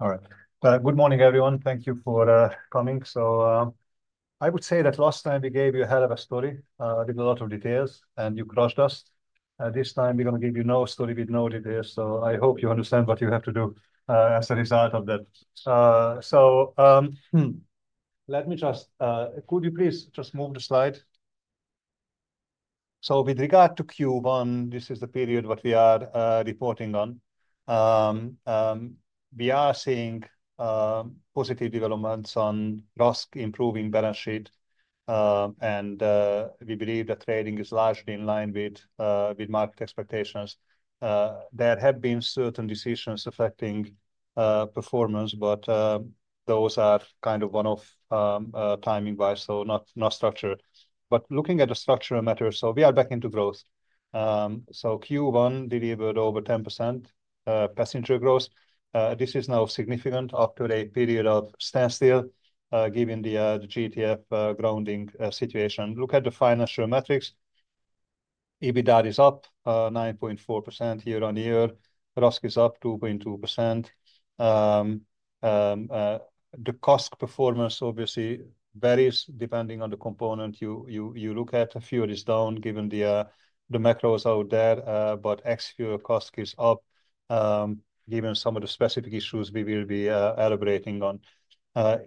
All right. Good morning, everyone. Thank you for coming. I would say that last time we gave you a hell of a story, with a lot of details, and you crushed us. This time we're going to give you no story with no details. I hope you understand what you have to do, as a result of that. Let me just, could you please just move the slide? With regard to Q1, this is the period we are reporting on. We are seeing positive developments on RASK improving balance sheet, and we believe that trading is largely in line with market expectations. There have been certain decisions affecting performance, but those are kind of one-off, timing-wise, not structured. Looking at the structural matters, we are back into growth. Q1 delivered over 10% passenger growth. This is now significant after a period of standstill, given the GTF grounding situation. Look at the financial metrics. EBITDA is up 9.4% year-on-year. RASK is up 2.2%. The cost performance obviously varies depending on the component you look at. Fuel is down given the macros out there, but ex-fuel cost is up, given some of the specific issues we will be elaborating on.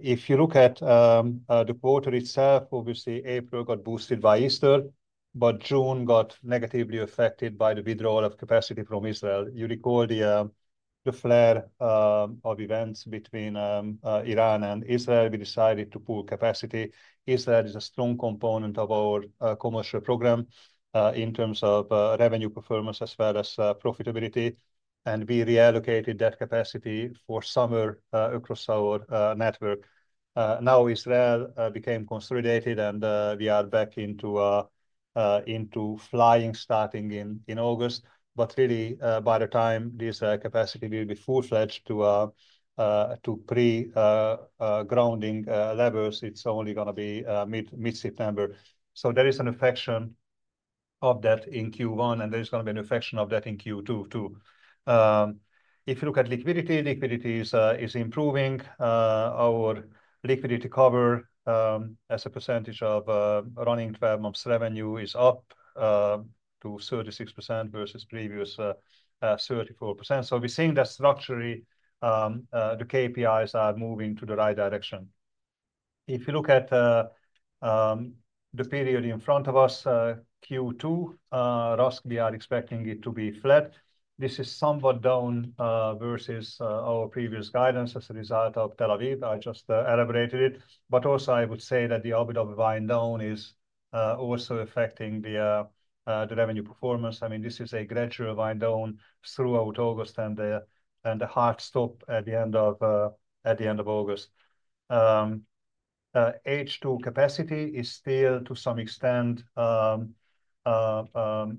If you look at the quarter itself, April got boosted by Easter, but June got negatively affected by the withdrawal of capacity from Israel. You recall the flare of events between Iran and Israel. We decided to pull capacity. Israel is a strong component of our commercial program, in terms of revenue performance as well as profitability. We reallocated that capacity for summer across our network. Now Israel became consolidated and we are back into flying starting in August. By the time this capacity will be full-fledged to pre-grounding levels, it's only going to be mid-September. There is an affection of that in Q1, and there's going to be an affection of that in Q2 too. If you look at liquidity, liquidity is improving. Our liquidity cover, as a percentage of running 12 months revenue, is up to 36% versus previous 34%. We are seeing that structurally, the KPIs are moving in the right direction. If you look at the period in front of us, Q2, RASK, we are expecting it to be flat. This is somewhat down versus our previous guidance as a result of Tel Aviv. I just elaborated it. I would also say that the orbit of wind down is also affecting the revenue performance. I mean, this is a gradual wind down throughout August and the hard stop at the end of August. H2 capacity is still to some extent uncertain.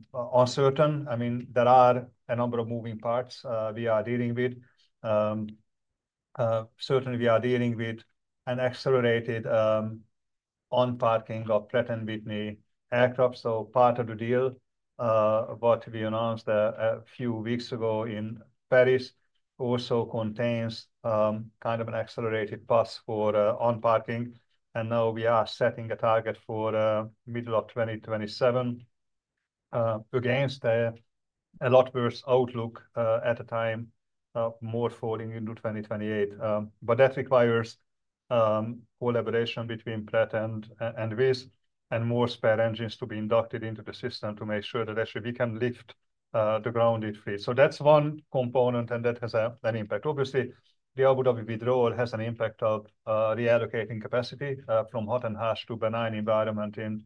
I mean, there are a number of moving parts we are dealing with. Certainly we are dealing with an accelerated on-parking of Pratt & Whitney aircraft. Part of the deal, what we announced a few weeks ago in Paris, also contains kind of an accelerated pass for on-parking. Now we are setting a target for middle of 2027, against a lot worse outlook at the time, more falling into 2028. That requires collaboration between Pratt and Wizz and more spare engines to be inducted into the system to make sure that actually we can lift the grounded fleet. That's one component and that has an impact. Obviously, the Abu Dhabi withdrawal has an impact of reallocating capacity from hot and harsh to benign environment in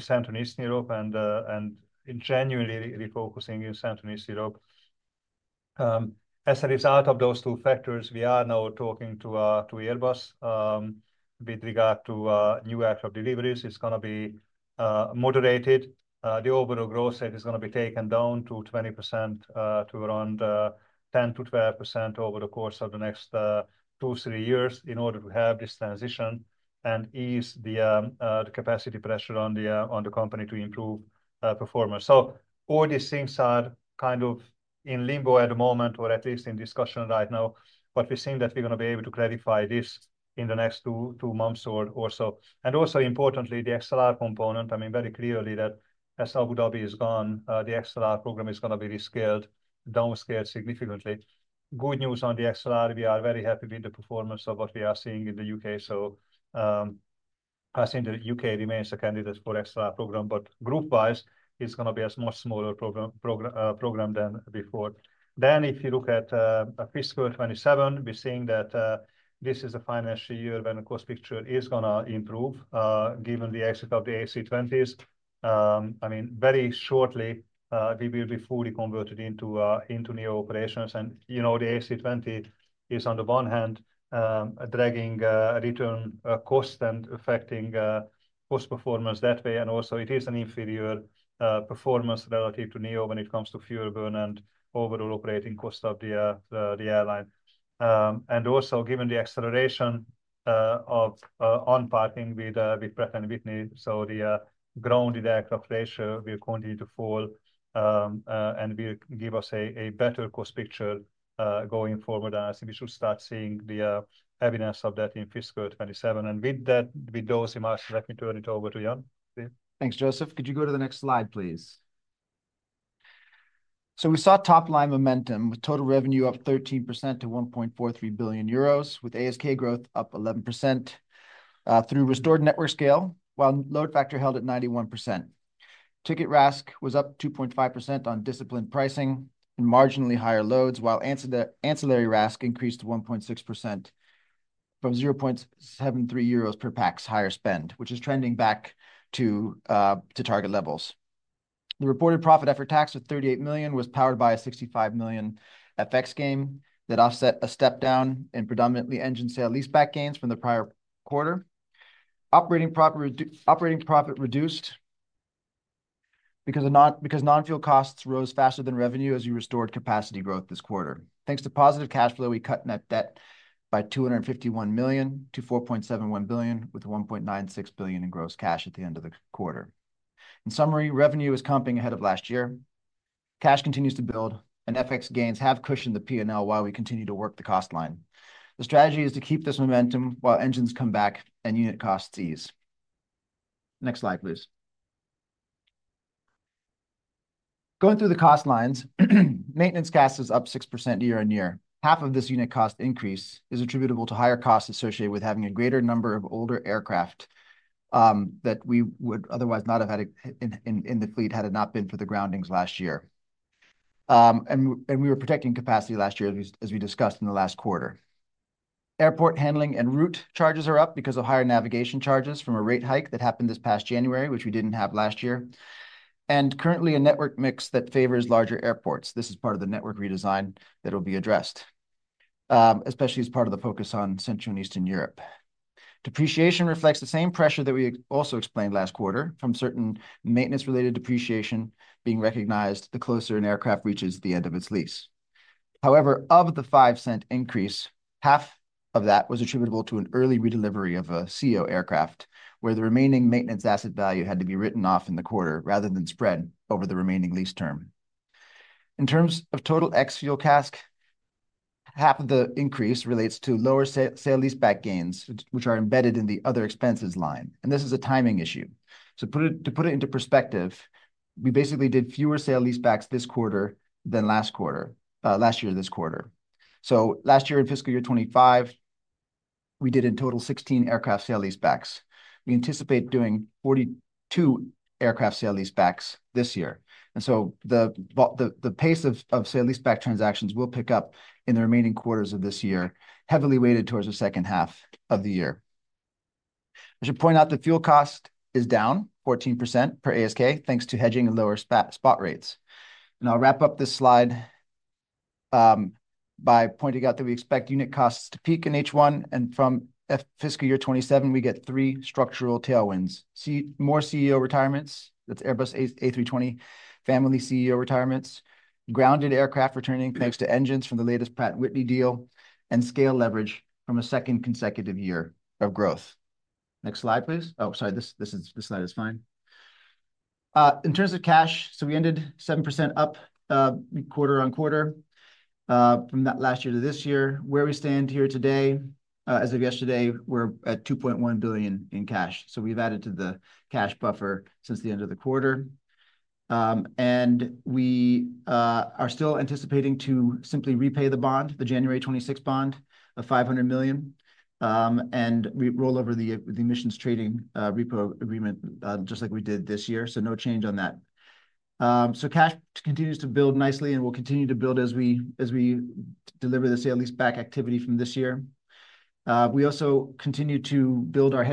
Central and Eastern Europe and genuinely refocusing in Central and Eastern Europe. As a result of those two factors, we are now talking to Airbus with regard to new aircraft deliveries. It's going to be moderated. The overall growth rate is going to be taken down to 20%, to around 10%-12% over the course of the next two, three years in order to have this transition and ease the capacity pressure on the company to improve performance. All these things are kind of in limbo at the moment, or at least in discussion right now. We think that we're going to be able to clarify this in the next two months or so. Also importantly, the XLR component, I mean, very clearly that as Abu Dhabi is gone, the XLR program is going to be re-scaled, down-scaled significantly. Good news on the XLR. We are very happy with the performance of what we are seeing in the U.K. I think the U.K. remains a candidate for XLR program, but group-wise, it's going to be a much smaller program than before. If you look at fiscal 2027, we're seeing that this is a financial year when the cost picture is going to improve, given the exit of the A320s. I mean, very shortly, we will be fully converted into new operations. The A320 is on the one hand dragging return costs and affecting cost performance that way. Also, it is an inferior performance relative to NEO when it comes to fuel burn and overall operating cost of the airline, and also given the acceleration of on-parking with Pratt & Whitney. The grounded aircraft ratio will continue to fall and will give us a better cost picture going forward. I think we should start seeing the evidence of that in fiscal 2027. With those remarks, let me turn it over to Ian. Thanks, József. Could you go to the next slide, please? We saw top-line momentum with total revenue up 13% to 1.43 billion euros, with ASK growth up 11% through restored network scale, while load factor held at 91%. Ticket RASK was up 2.5% on disciplined pricing and marginally higher loads, while ancillary RASK increased to 1.6% from 0.73 euros per pax higher spend, which is trending back to target levels. The reported profit after tax of 38 million was powered by a 65 million FX gain that offset a step-down in predominantly engine sale-leaseback gains from the prior quarter. Operating profit reduced because non-fuel costs rose faster than revenue as you restored capacity growth this quarter. Thanks to positive cash flow, we cut net debt by 251 million to 4.71 billion, with 1.96 billion in gross cash at the end of the quarter. In summary, revenue is comping ahead of last year. Cash continues to build, and FX gains have cushioned the P&L while we continue to work the cost line. The strategy is to keep this momentum while engines come back and unit costs ease. Next slide, please. Going through the cost lines, maintenance cost is up 6% year-on-year. Half of this unit cost increase is attributable to higher costs associated with having a greater number of older aircraft that we would otherwise not have had in the fleet had it not been for the groundings last year. We were protecting capacity last year, as we discussed in the last quarter. Airport handling and route charges are up because of higher navigation charges from a rate hike that happened this past January, which we didn't have last year, and currently a network mix that favors larger airports. This is part of the network redesign that will be addressed, especially as part of the focus on Central and Eastern Europe. Depreciation reflects the same pressure that we also explained last quarter from certain maintenance-related depreciation being recognized the closer an aircraft reaches the end of its lease. Of the 0.05 increase, half of that was attributable to an early redelivery of a CEO aircraft where the remaining maintenance asset value had to be written off in the quarter rather than spread over the remaining lease term. In terms of total ex-fuel CASK, half of the increase relates to lower sale-leaseback gains, which are embedded in the other expenses line. This is a timing issue. To put it into perspective, we basically did fewer sale-leasebacks this quarter than last quarter, last year this quarter. Last year in fiscal year 2025, we did in total 16 aircraft sale-leasebacks. We anticipate doing 42 aircraft sale-leasebacks this year. The pace of sale-leaseback transactions will pick up in the remaining quarters of this year, heavily weighted towards the second half of the year. I should point out that fuel cost is down 14% per ASK, thanks to hedging and lower spot rates. I'll wrap up this slide by pointing out that we expect unit costs to peak in H1, and from fiscal year 2027, we get three structural tailwinds: more CEO retirements, that's Airbus A320 family CEO retirements, grounded aircraft returning thanks to engines from the latest Pratt & Whitney deal, and scale leverage from a second consecutive year of growth. Next slide, please. Sorry, this slide is fine. In terms of cash, we ended 7% up quarter-on-quarter from that last year to this year. Where we stand here today, as of yesterday, we're at 2.1 billion in cash. We've added to the cash buffer since the end of the quarter. We are still anticipating to simply repay the bond, the January 2026 bond of 500 million. We roll over the emissions trading repo agreement just like we did this year. No change on that. Cash continues to build nicely and will continue to build as we deliver the sale-leaseback activity from this year. We also continue to build our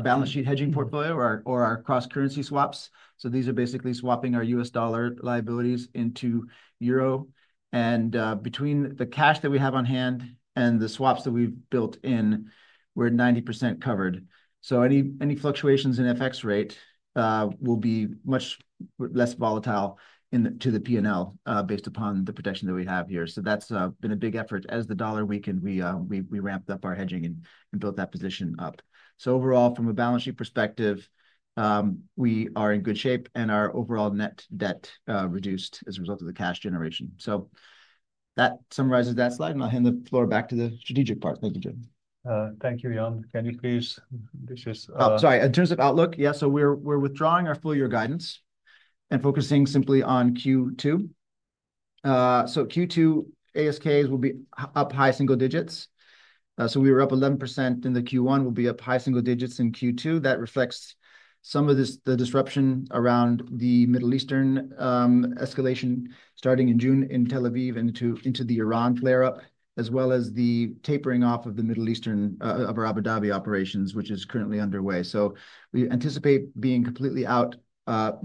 balance sheet hedging portfolio or our cross-currency swaps. These are basically swapping our U.S. dollar liabilities into euro. Between the cash that we have on hand and the swaps that we've built in, we're 90% covered. Any fluctuations in FX rate will be much less volatile to the P&L based upon the protection that we have here. That's been a big effort. As the dollar weakened, we ramped up our hedging and built that position up. Overall, from a balance sheet perspective, we are in good shape and our overall net debt reduced as a result of the cash generation. That summarizes that slide, and I'll hand the floor back to the strategic part. Thank you, Joe. Thank you, Ian. Can you please? Oh, sorry. In terms of outlook, yeah, we're withdrawing our full year guidance and focusing simply on Q2. Q2 ASK will be up high single digits. We were up 11% in Q1, will be up high single digits in Q2. That reflects some of the disruption around the Middle Eastern escalation starting in June in Tel Aviv and into the Iran flare-up, as well as the tapering off of the Middle Eastern of our Abu Dhabi operations, which is currently underway. We anticipate being completely out, before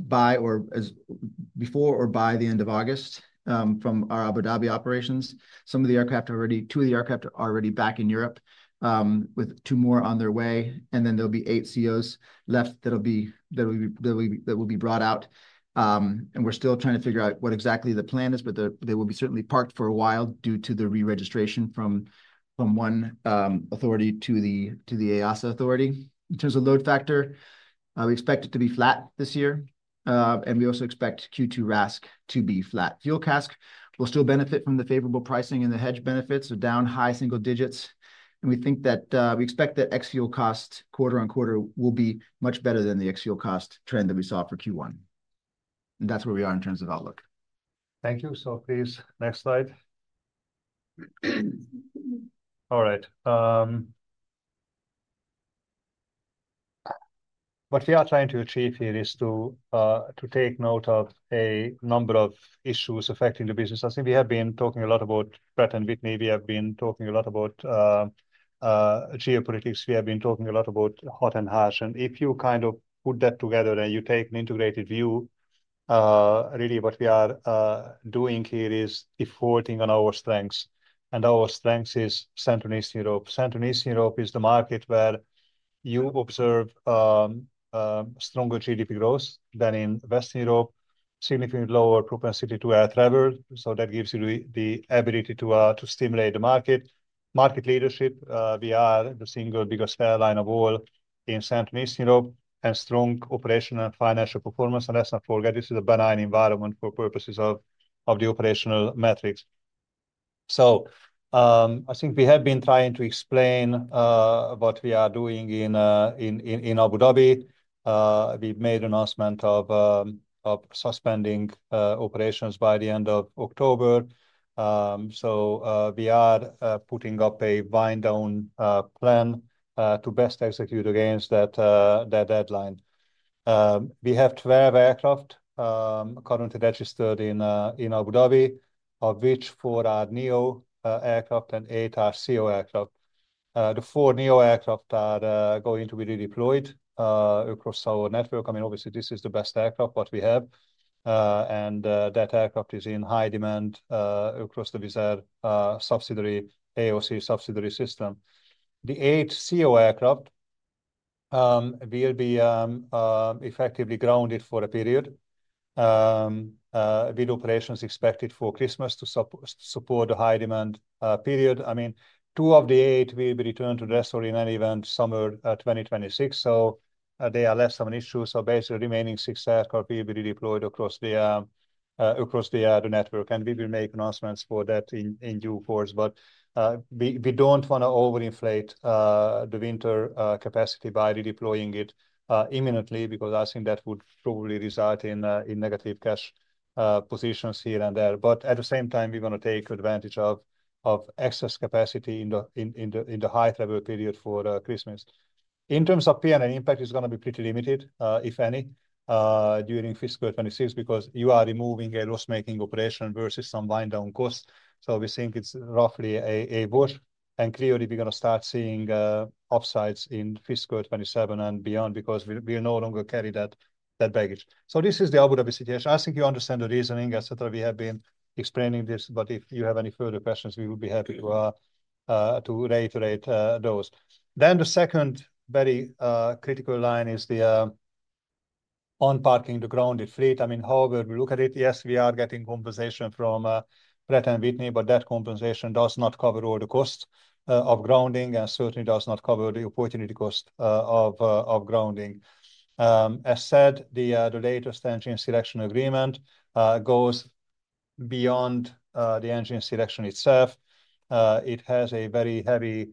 or by the end of August, from our Abu Dhabi operations. Two of the aircraft are already back in Europe, with two more on their way. There will be eight CEOs left that will be brought out. We're still trying to figure out what exactly the plan is, but they will certainly be parked for a while due to the re-registration from one authority to the EASA authority. In terms of load factor, we expect it to be flat this year. We also expect Q2 RASK to be flat. Fuel CASK will still benefit from the favorable pricing and the hedge benefits, so down high single digits. We expect that ex-fuel cost quarter-on-quarter will be much better than the ex-fuel cost trend that we saw for Q1. That's where we are in terms of outlook. Thank you. Please, next slide. All right. What we are trying to achieve here is to take note of a number of issues affecting the business. I think we have been talking a lot about Pratt & Whitney. We have been talking a lot about geopolitics. We have been talking a lot about hot and harsh. If you put that together and you take an integrated view, really what we are doing here is evolving on our strengths. Our strength is Central and Eastern Europe. Central and Eastern Europe is the market where you observe stronger GDP growth than in Western Europe, significantly lower propensity to air travel. That gives you the ability to stimulate the market. Market leadership, we are the single biggest airline of all in Central and Eastern Europe and strong operational and financial performance. Let's not forget, this is a benign environment for purposes of the operational metrics. I think we have been trying to explain what we are doing in Abu Dhabi. We made an announcement of suspending operations by the end of October. We are putting up a wind-down plan to best execute against that deadline. We have 12 aircraft currently registered in Abu Dhabi, of which four are NEO aircraft and eight are CEO aircraft. The four NEO aircraft are going to be re-deployed across our network. Obviously, this is the best aircraft we have, and that aircraft is in high demand across the Wizz Air subsidiary AOC subsidiary system. The eight CEO aircraft will be effectively grounded for a period, with operations expected for Christmas to support the high demand period. Two of the eight will be returned to the rest or in any event summer 2026, so they are less of an issue. Basically, the remaining six aircraft will be redeployed across the network. We will make announcements for that in due course. We do not want to overinflate the winter capacity by redeploying it imminently because I think that would probably result in negative cash positions here and there. At the same time, we want to take advantage of excess capacity in the high travel period for Christmas. In terms of P&L impact, it is going to be pretty limited, if any, during fiscal 2026 because you are removing a loss-making operation versus some wind-down costs. We think it is roughly a wash. Clearly, we're going to start seeing upsides in fiscal 2027 and beyond because we'll no longer carry that baggage. This is the Abu Dhabi situation. I think you understand the reasoning, etc. We have been explaining this, but if you have any further questions, we would be happy to reiterate those. The second very critical line is the on-parking the grounded fleet. However we look at it, yes, we are getting compensation from Pratt & Whitney, but that compensation does not cover all the costs of grounding and certainly does not cover the opportunity cost of grounding. As said, the latest engine selection agreement goes beyond the engine selection itself. It has a very heavy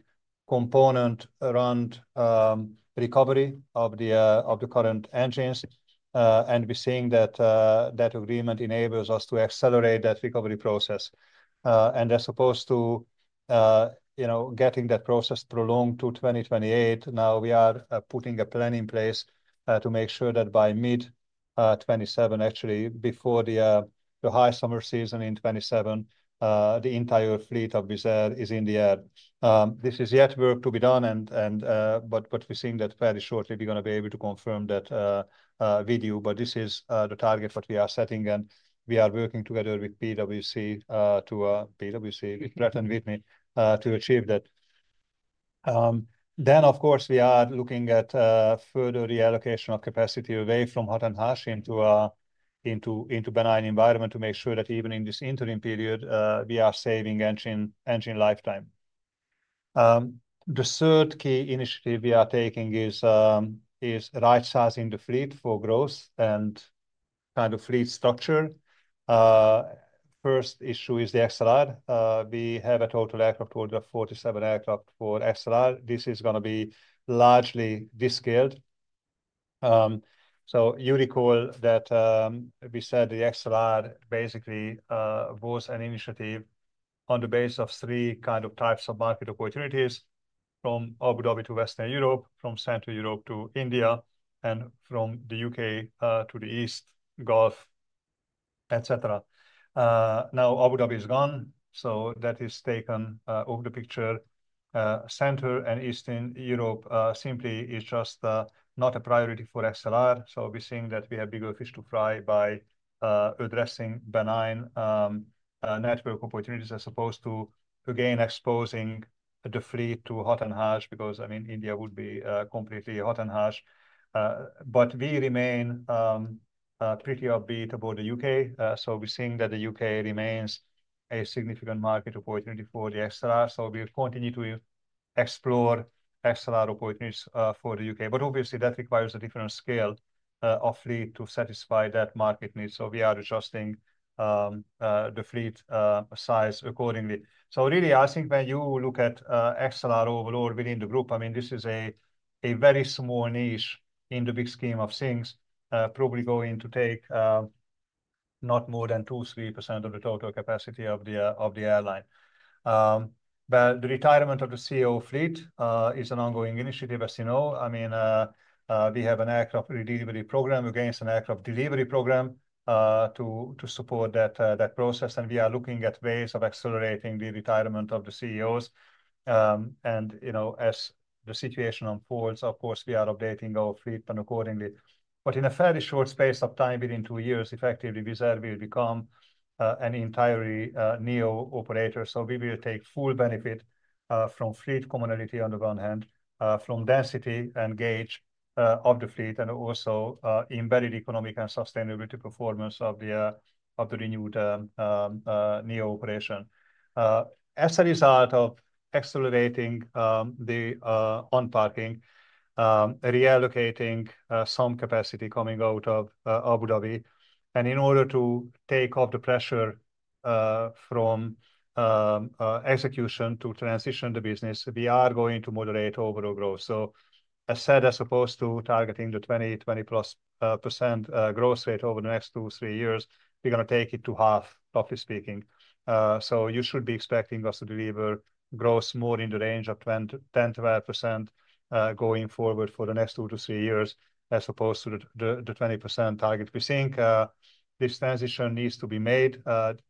component around recovery of the current engines, and we're seeing that agreement enables us to accelerate that recovery process. As opposed to getting that process prolonged to 2028, now we are putting a plan in place to make sure that by mid-2027, actually before the high summer season in 2027, the entire fleet of Wizz Air is in the air. This is yet work to be done, but we're seeing that fairly shortly we're going to be able to confirm that with you. This is the target that we are setting, and we are working together with Pratt & Whitney to achieve that. Of course, we are looking at further reallocation of capacity away from hot and harsh into benign environment to make sure that even in this interim period, we are saving engine lifetime. The third key initiative we are taking is right-sizing the fleet for growth and kind of fleet structure. First issue is the XLR. We have a total aircraft order of 47 aircraft for XLR. This is going to be largely de-scaled. You recall that we said the XLR basically was an initiative on the basis of three types of market opportunities: from Abu Dhabi to Western Europe, from Central Europe to India, and from the U.K. to the East Gulf, etc. Now Abu Dhabi is gone, so that is taken over the picture. Central and Eastern Europe simply is just not a priority for XLR. We're seeing that we have bigger fish to fry by addressing benign network opportunities as opposed to exposing the fleet to hot and harsh because India would be completely hot and harsh. We remain pretty upbeat about the U.K. We're seeing that the U.K. remains a significant market opportunity for the XLR. We'll continue to explore XLR opportunities for the U.K., but obviously, that requires a different scale of fleet to satisfy that market need. We are adjusting the fleet size accordingly. I think when you look at XLR overall within the group, this is a very small niche in the big scheme of things, probably going to take not more than 2%-3% of the total capacity of the airline. The retirement of the CEO fleet is an ongoing initiative, as you know. We have an aircraft redelivery program against an aircraft delivery program to support that process. We are looking at ways of accelerating the retirement of the CEOs, and as the situation unfolds, of course, we are updating our fleet accordingly. In a fairly short space of time, within two years, effectively, Wizz Air will become an entirely NEO operator. We will take full benefit from fleet commonality on the one hand, from density and gauge of the fleet, and also embedded economic and sustainability performance of the renewed NEO operation. As a result of accelerating the on-parking, reallocating some capacity coming out of Abu Dhabi, and in order to take off the pressure from execution to transition the business, we are going to moderate overall growth. As said, as opposed to targeting the 20%+ growth rate over the next two to three years, we're going to take it to half, roughly speaking. You should be expecting us to deliver growth more in the range of 10%-12% going forward for the next two to three years, as opposed to the 20% target. We think this transition needs to be made.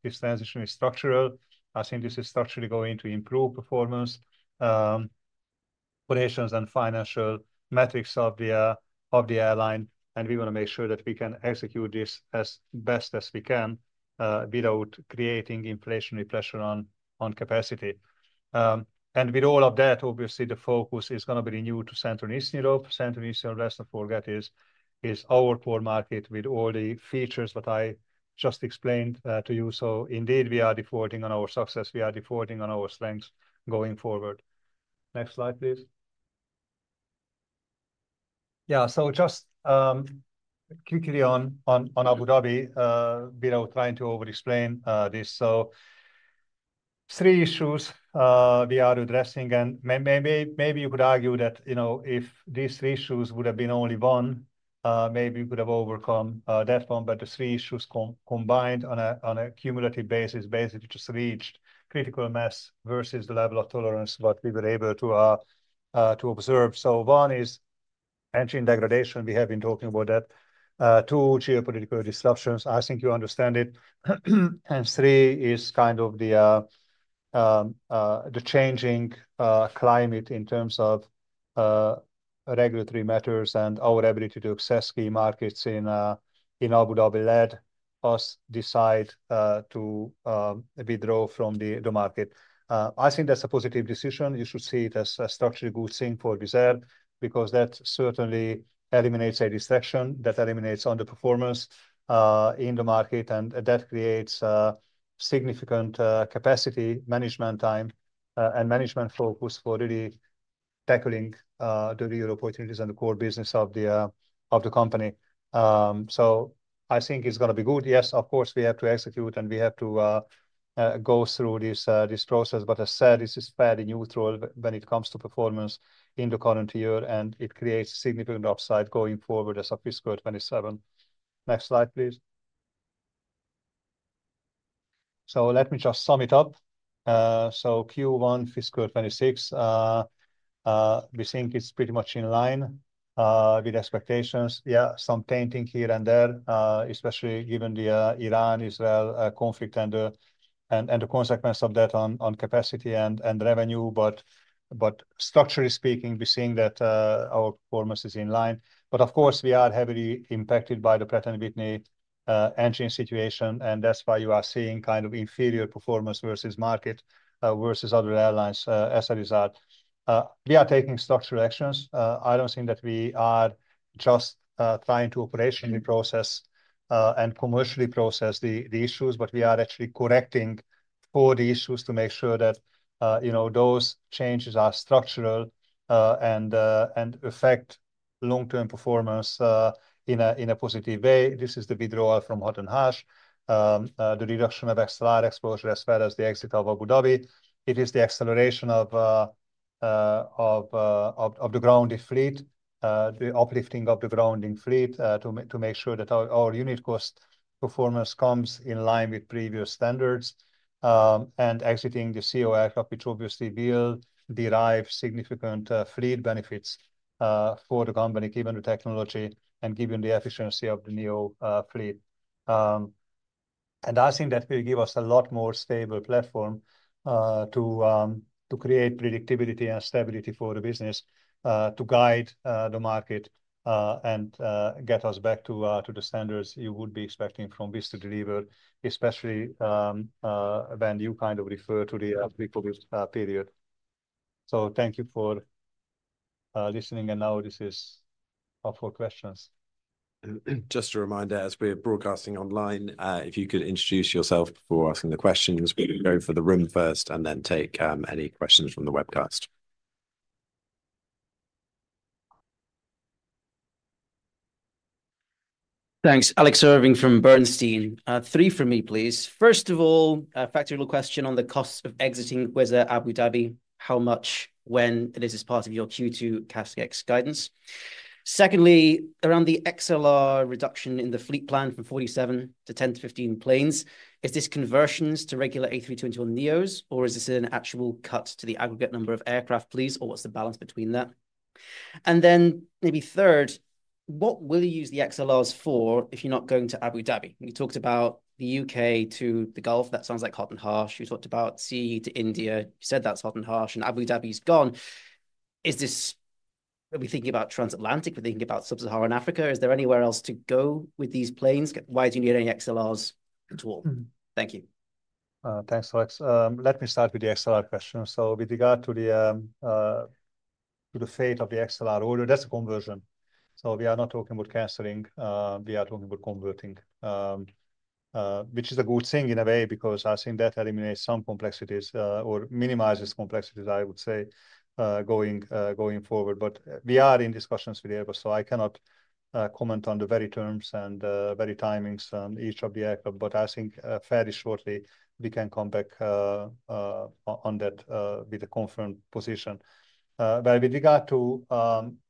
This transition is structural. I think this is structurally going to improve performance, operations, and financial metrics of the airline. We want to make sure that we can execute this as best as we can, without creating inflationary pressure on capacity. With all of that, obviously, the focus is going to be renewed to Central and Eastern Europe. Central and Eastern Europe, let's not forget, is our core market with all the features that I just explained to you. Indeed, we are defaulting on our success. We are defaulting on our strengths going forward. Next slide, please. Just quickly on Abu Dhabi, without trying to overexplain this. Three issues we are addressing, and maybe you could argue that if these three issues would have been only one, maybe we could have overcome that one. The three issues combined on a cumulative basis basically just reached critical mass versus the level of tolerance we were able to observe. One is engine degradation. We have been talking about that. Two, geopolitical disruptions. I think you understand it. Three is kind of the changing climate in terms of regulatory matters and our ability to access key markets in Abu Dhabi led us to decide to withdraw from the market. I think that's a positive decision. You should see it as a structurally good thing for Wizz Air because that certainly eliminates a distraction. That eliminates underperformance in the market, and that creates significant capacity, management time, and management focus for really tackling the real opportunities and the core business of the company. I think it's going to be good. Yes, of course, we have to execute, and we have to go through this process. As I said, this is fairly neutral when it comes to performance in the current year, and it creates a significant upside going forward as of fiscal 2027. Next slide, please. Let me just sum it up. Q1 fiscal 2026, we think it's pretty much in line with expectations. Yeah, some painting here and there, especially given the Iran-Israel conflict and the consequence of that on capacity and revenue. Structurally speaking, we think that our performance is in line. Of course, we are heavily impacted by the Pratt & Whitney engine situation, and that's why you are seeing kind of inferior performance versus market, versus other airlines, as a result. We are taking structural actions. I don't think that we are just trying to operationally process and commercially process the issues, but we are actually correcting for the issues to make sure that those changes are structural and affect long-term performance in a positive way. This is the withdrawal from hot and harsh, the reduction of XLR exposure, as well as the exit of Abu Dhabi. It is the acceleration of the grounded fleet, the uplifting of the grounding fleet, to make sure that our unit cost performance comes in line with previous standards, and exiting the COA, which obviously will derive significant fleet benefits for the company, given the technology and given the efficiency of the NEO fleet. I think that will give us a lot more stable platform to create predictability and stability for the business, to guide the market, and get us back to the standards you would be expecting from this to deliver, especially when you kind of refer to the pre-COVID period. Thank you for listening, and now this is up for questions. Just a reminder, as we're broadcasting online, if you could introduce yourself before asking the questions, we can go for the room first and then take any questions from the webcast. Alex Irving from Bernstein. Three from me, please. First of all, a factual question on the cost of exiting Wizz Air Abu Dhabi. How much, when this is part of your Q2 CASK ex-fuel guidance? Secondly, around the XLR reduction in the fleet plan from 47 to 10 to 15 planes, is this conversions to regular A321neos, or is this an actual cut to the aggregate number of aircraft, please, or what's the balance between that? Maybe third, what will you use the XLRs for if you're not going to Abu Dhabi? We talked about the U.K. to the Gulf, that sounds like hot and harsh. We talked about CEE to India, you said that's hot and harsh, and Abu Dhabi is gone. Is this, are we thinking about transatlantic, we're thinking about Sub-Saharan Africa, is there anywhere else to go with these planes? Why do you need any XLRs at all? Thank you. Thanks, Alex. Let me start with the XLR question. With regard to the fate of the XLR order, that's a conversion. We are not talking about canceling, we are talking about converting, which is a good thing in a way because I think that eliminates some complexities or minimizes complexities, I would say, going forward. We are in discussions with Airbus, so I cannot comment on the very terms and very timings on each of the aircraft, but I think fairly shortly we can come back on that with a confirmed position. With regard to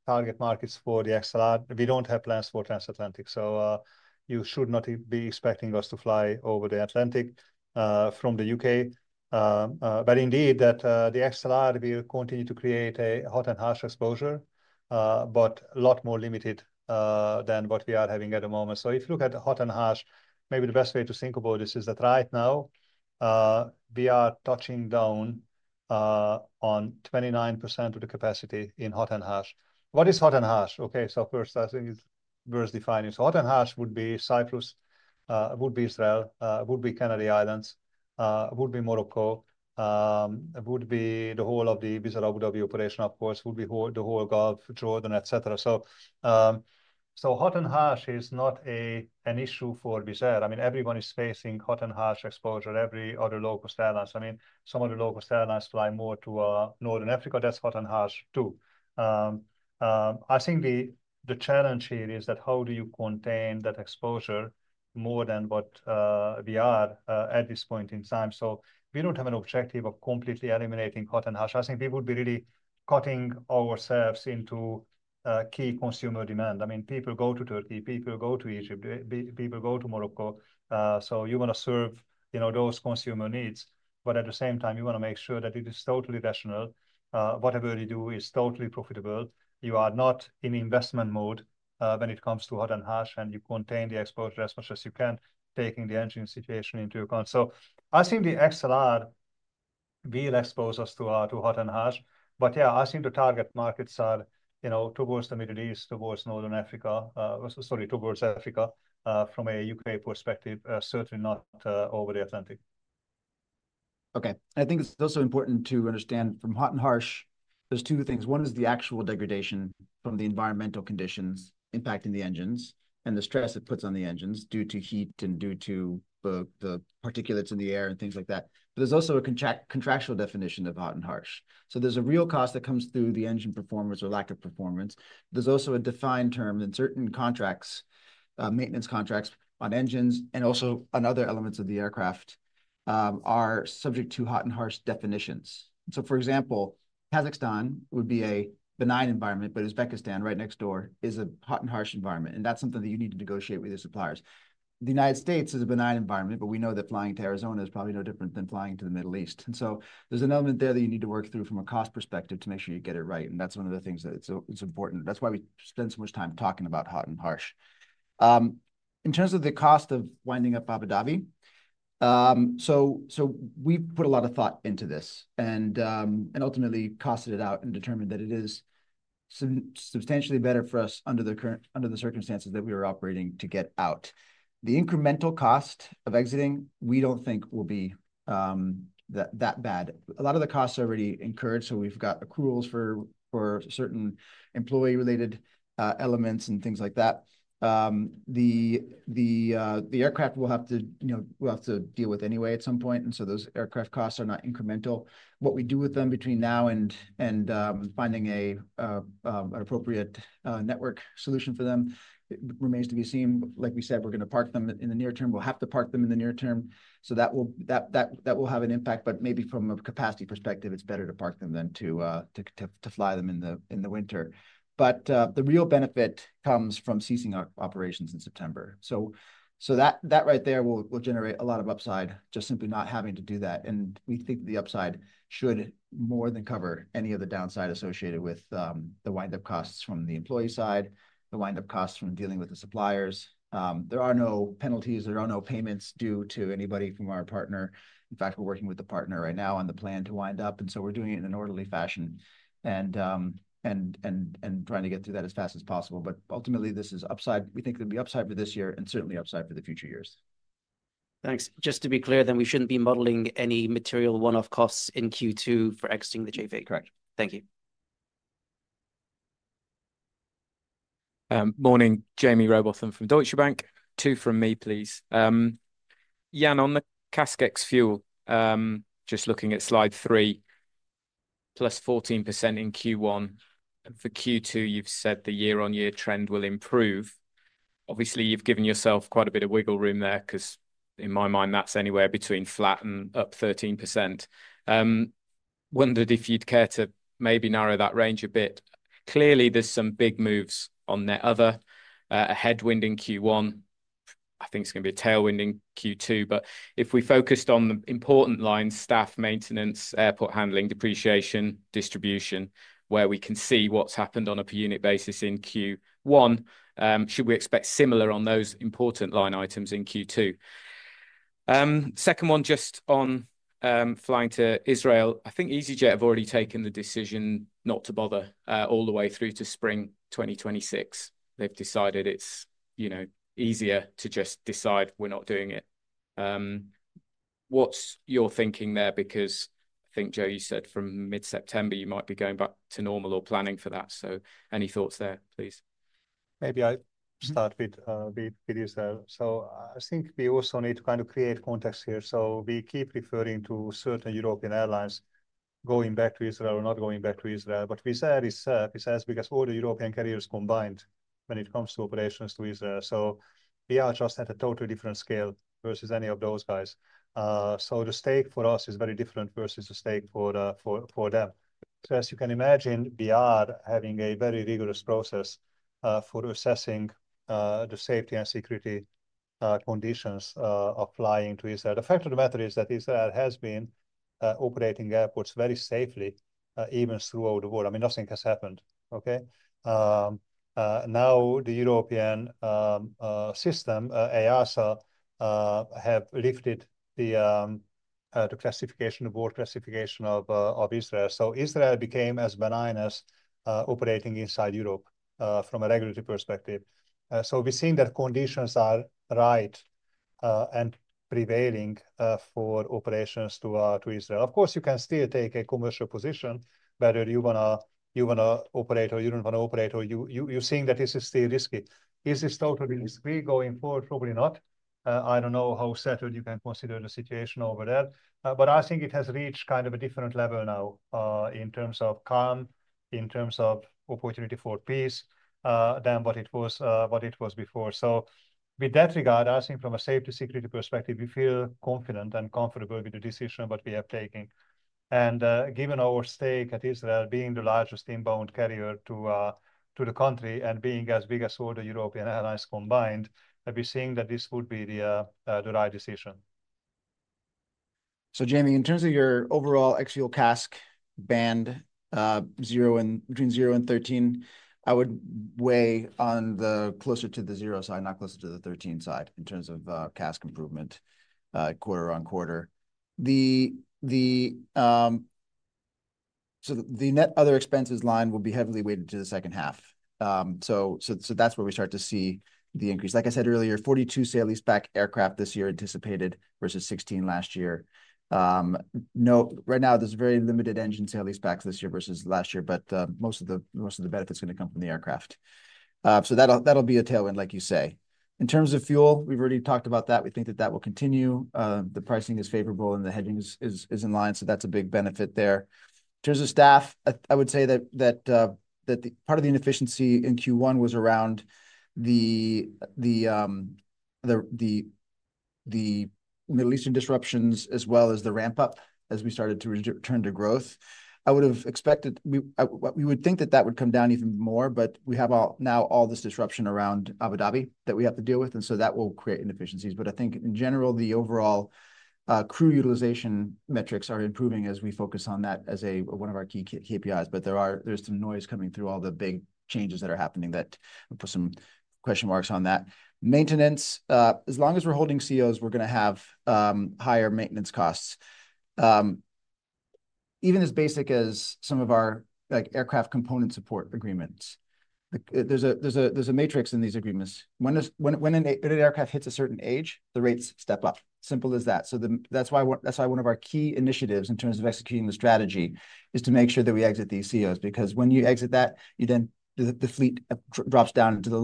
target markets for the XLR, we don't have plans for transatlantic, so you should not be expecting us to fly over the Atlantic from the U.K. The XLR will continue to create a hot and harsh exposure, but a lot more limited than what we are having at the moment. If you look at hot and harsh, maybe the best way to think about this is that right now we are touching down on 29% of the capacity in hot and harsh. What is hot and harsh? First, I think it's worth defining. Hot and harsh would be Cyprus, would be Israel, would be Canary Islands, would be Morocco, would be the whole of the Wizz Air Abu Dhabi operation, of course, would be the whole Gulf, Jordan, etc. Hot and harsh is not an issue for Wizz Air. I mean, everyone is facing hot and harsh exposure, every other low-cost airline. Some of the low-cost airlines fly more to Northern Africa, that's hot and harsh too. I think the challenge here is how do you contain that exposure more than what we are at this point in time. We don't have an objective of completely eliminating hot and harsh. I think we would be really cutting ourselves into key consumer demand. People go to Turkey, people go to Egypt, people go to Morocco. You want to serve those consumer needs. At the same time, you want to make sure that it is totally rational. Whatever you do is totally profitable. You are not in investment mode when it comes to hot and harsh, and you contain the exposure as much as you can, taking the engine situation into account. I think the XLR will expose us to hot and harsh. The target markets are towards the Middle East, towards Northern Africa, sorry, towards Africa from a U.K. perspective, certainly not over the Atlantic. Okay. I think it's also important to understand from hot and harsh, there's two things. One is the actual degradation from the environmental conditions impacting the engines and the stress it puts on the engines due to heat and due to the particulates in the air and things like that. There's also a contractual definition of hot and harsh. There's a real cost that comes through the engine performance or lack of performance. There's also a defined term in certain contracts, maintenance contracts on engines and also on other elements of the aircraft, are subject to hot and harsh definitions. For example, Kazakhstan would be a benign environment, but Uzbekistan right next door is a hot and harsh environment. That's something that you need to negotiate with your suppliers. The United States is a benign environment, but we know that flying to Arizona is probably no different than flying to the Middle East. There's an element there that you need to work through from a cost perspective to make sure you get it right. That's one of the things that is important. That's why we spend so much time talking about hot and harsh. In terms of the cost of winding up Abu Dhabi, we put a lot of thought into this and ultimately costed it out and determined that it is substantially better for us under the circumstances that we were operating to get out. The incremental cost of exiting, we don't think will be that bad. A lot of the costs are already incurred. We've got accruals for certain employee-related elements and things like that. The aircraft will have to, you know, we'll have to deal with anyway at some point, and so those aircraft costs are not incremental. What we do with them between now and finding an appropriate network solution for them remains to be seen. Like we said, we're going to park them in the near term. We'll have to park them in the near term. That will have an impact. Maybe from a capacity perspective, it's better to park them than to fly them in the winter. The real benefit comes from ceasing our operations in September. That right there will generate a lot of upside just simply not having to do that. We think the upside should more than cover any of the downside associated with the wind-up costs from the employee side, the wind-up costs from dealing with the suppliers. There are no penalties. There are no payments due to anybody from our partner. In fact, we're working with the partner right now on the plan to wind up. We're doing it in an orderly fashion and trying to get through that as fast as possible. Ultimately, this is upside. We think there'll be upside for this year and certainly upside for the future years. Thanks. Just to be clear, then we shouldn't be modeling any material one-off costs in Q2 for exiting the JV. Correct. Thank you. Morning, Jaime Rowbotham from Deutsche Bank. Two from me, please. Ian, on the CASK ex-fuel, just looking at slide three, +14% in Q1. For Q2, you've said the year-on-year trend will improve. Obviously, you've given yourself quite a bit of wiggle room there because in my mind, that's anywhere between flat and up 13%. Wondered if you'd care to maybe narrow that range a bit. Clearly, there's some big moves on there, other, a headwind in Q1. I think it's going to be a tailwind in Q2. If we focused on the important lines, staff, maintenance, airport handling, depreciation, distribution, where we can see what's happened on a per unit basis in Q1, should we expect similar on those important line items in Q2? Second one, just on flying to Israel, I think easyJet have already taken the decision not to bother all the way through to spring 2026. They've decided it's, you know, easier to just decide we're not doing it. What's your thinking there? I think, Joe, you said from mid-September you might be going back to normal or planning for that. Any thoughts there, please? Maybe I start with Israel. I think we also need to kind of create context here. We keep referring to certain European airlines going back to Israel or not going back to Israel, but Wizz Air itself is as big as all the European carriers combined when it comes to operations to Israel. We are just at a totally different scale versus any of those guys, so the stake for us is very different versus the stake for them. As you can imagine, we are having a very rigorous process for assessing the safety and security conditions of flying to Israel. The fact of the matter is that Israel has been operating airports very safely, even throughout the world. I mean, nothing has happened. Now the European system, EASA, have lifted the classification, the board classification of Israel. Israel became as benign as operating inside Europe from a regulatory perspective. We're seeing that conditions are right and prevailing for operations to Israel. Of course, you can still take a commercial position, whether you want to operate or you don't want to operate, or you're seeing that this is still risky. Is this totally risky going forward? Probably not. I don't know how settled you can consider the situation over there. I think it has reached kind of a different level now, in terms of calm, in terms of opportunity for peace, than what it was before. With that regard, I think from a safety-security perspective, we feel confident and comfortable with the decision that we are taking. Given our stake at Israel being the largest inbound carrier to the country and being as big as all the European airlines combined, we're seeing that this would be the right decision. Jaime, in terms of your overall ex-fuel CASK band, zero and between zero and 13, I would weigh on the closer to the zero side, not closer to the 13 side in terms of CASK improvement, quarter-on-quarter. The net other expenses line will be heavily weighted to the second half. That's where we start to see the increase. Like I said earlier, 42 sale-leaseback aircraft this year anticipated versus 16 last year. Right now there's very limited engine sale-leasebacks this year versus last year, but most of the benefits are going to come from the aircraft. That'll be a tailwind, like you say. In terms of fuel, we've already talked about that. We think that will continue. The pricing is favorable and the hedging is in line. That's a big benefit there. In terms of staff, I would say that part of the inefficiency in Q1 was around the Middle Eastern disruptions as well as the ramp-up as we started to return to growth. I would have expected we would think that would come down even more, but we have now all this disruption around Abu Dhabi that we have to deal with. That will create inefficiencies. I think in general, the overall crew utilization metrics are improving as we focus on that as one of our key KPIs. There is some noise coming through all the big changes that are happening that will put some question marks on that. Maintenance, as long as we're holding CEOs, we're going to have higher maintenance costs. Even as basic as some of our aircraft component support agreements, there's a matrix in these agreements. When an aircraft hits a certain age, the rates step up. Simple as that. That's why one of our key initiatives in terms of executing the strategy is to make sure that we exit these CEOs. When you exit that, the fleet drops down into the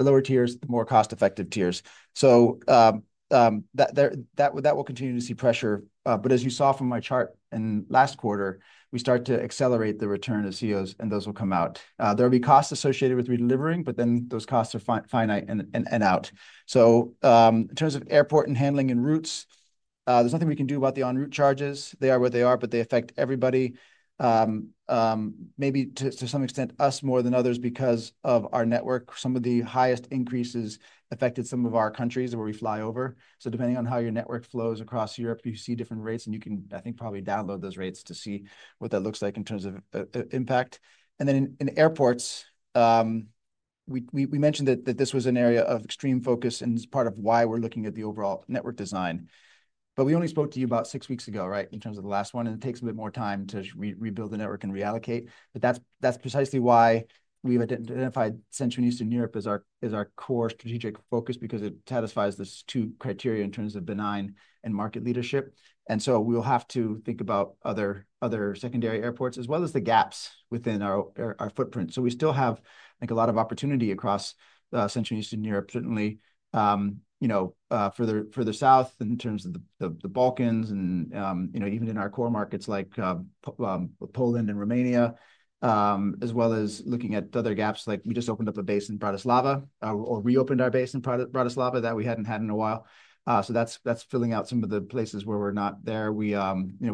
lower tiers, the more cost-effective tiers. That will continue to see pressure. As you saw from my chart in last quarter, we start to accelerate the return of CEOs and those will come out. There'll be costs associated with re-delivering, but then those costs are finite and out. In terms of airport and handling and routes, there's nothing we can do about the en route charges. They are what they are, but they affect everybody. Maybe to some extent us more than others because of our network. Some of the highest increases affected some of our countries where we fly over. Depending on how your network flows across Europe, you see different rates and you can, I think, probably download those rates to see what that looks like in terms of impact. In airports, we mentioned that this was an area of extreme focus and part of why we're looking at the overall network design. We only spoke to you about six weeks ago in terms of the last one, and it takes a bit more time to rebuild the network and reallocate. That's precisely why we've identified Central and Eastern Europe as our core strategic focus because it satisfies those two criteria in terms of benign and market leadership. We'll have to think about other secondary airports as well as the gaps within our footprint. We still have, I think, a lot of opportunity across Central and Eastern Europe, certainly further south in terms of the Balkans and even in our core markets like Poland and Romania, as well as looking at other gaps. We just opened up a base in Bratislava or reopened our base in Bratislava that we hadn't had in a while. That's filling out some of the places where we're not there. We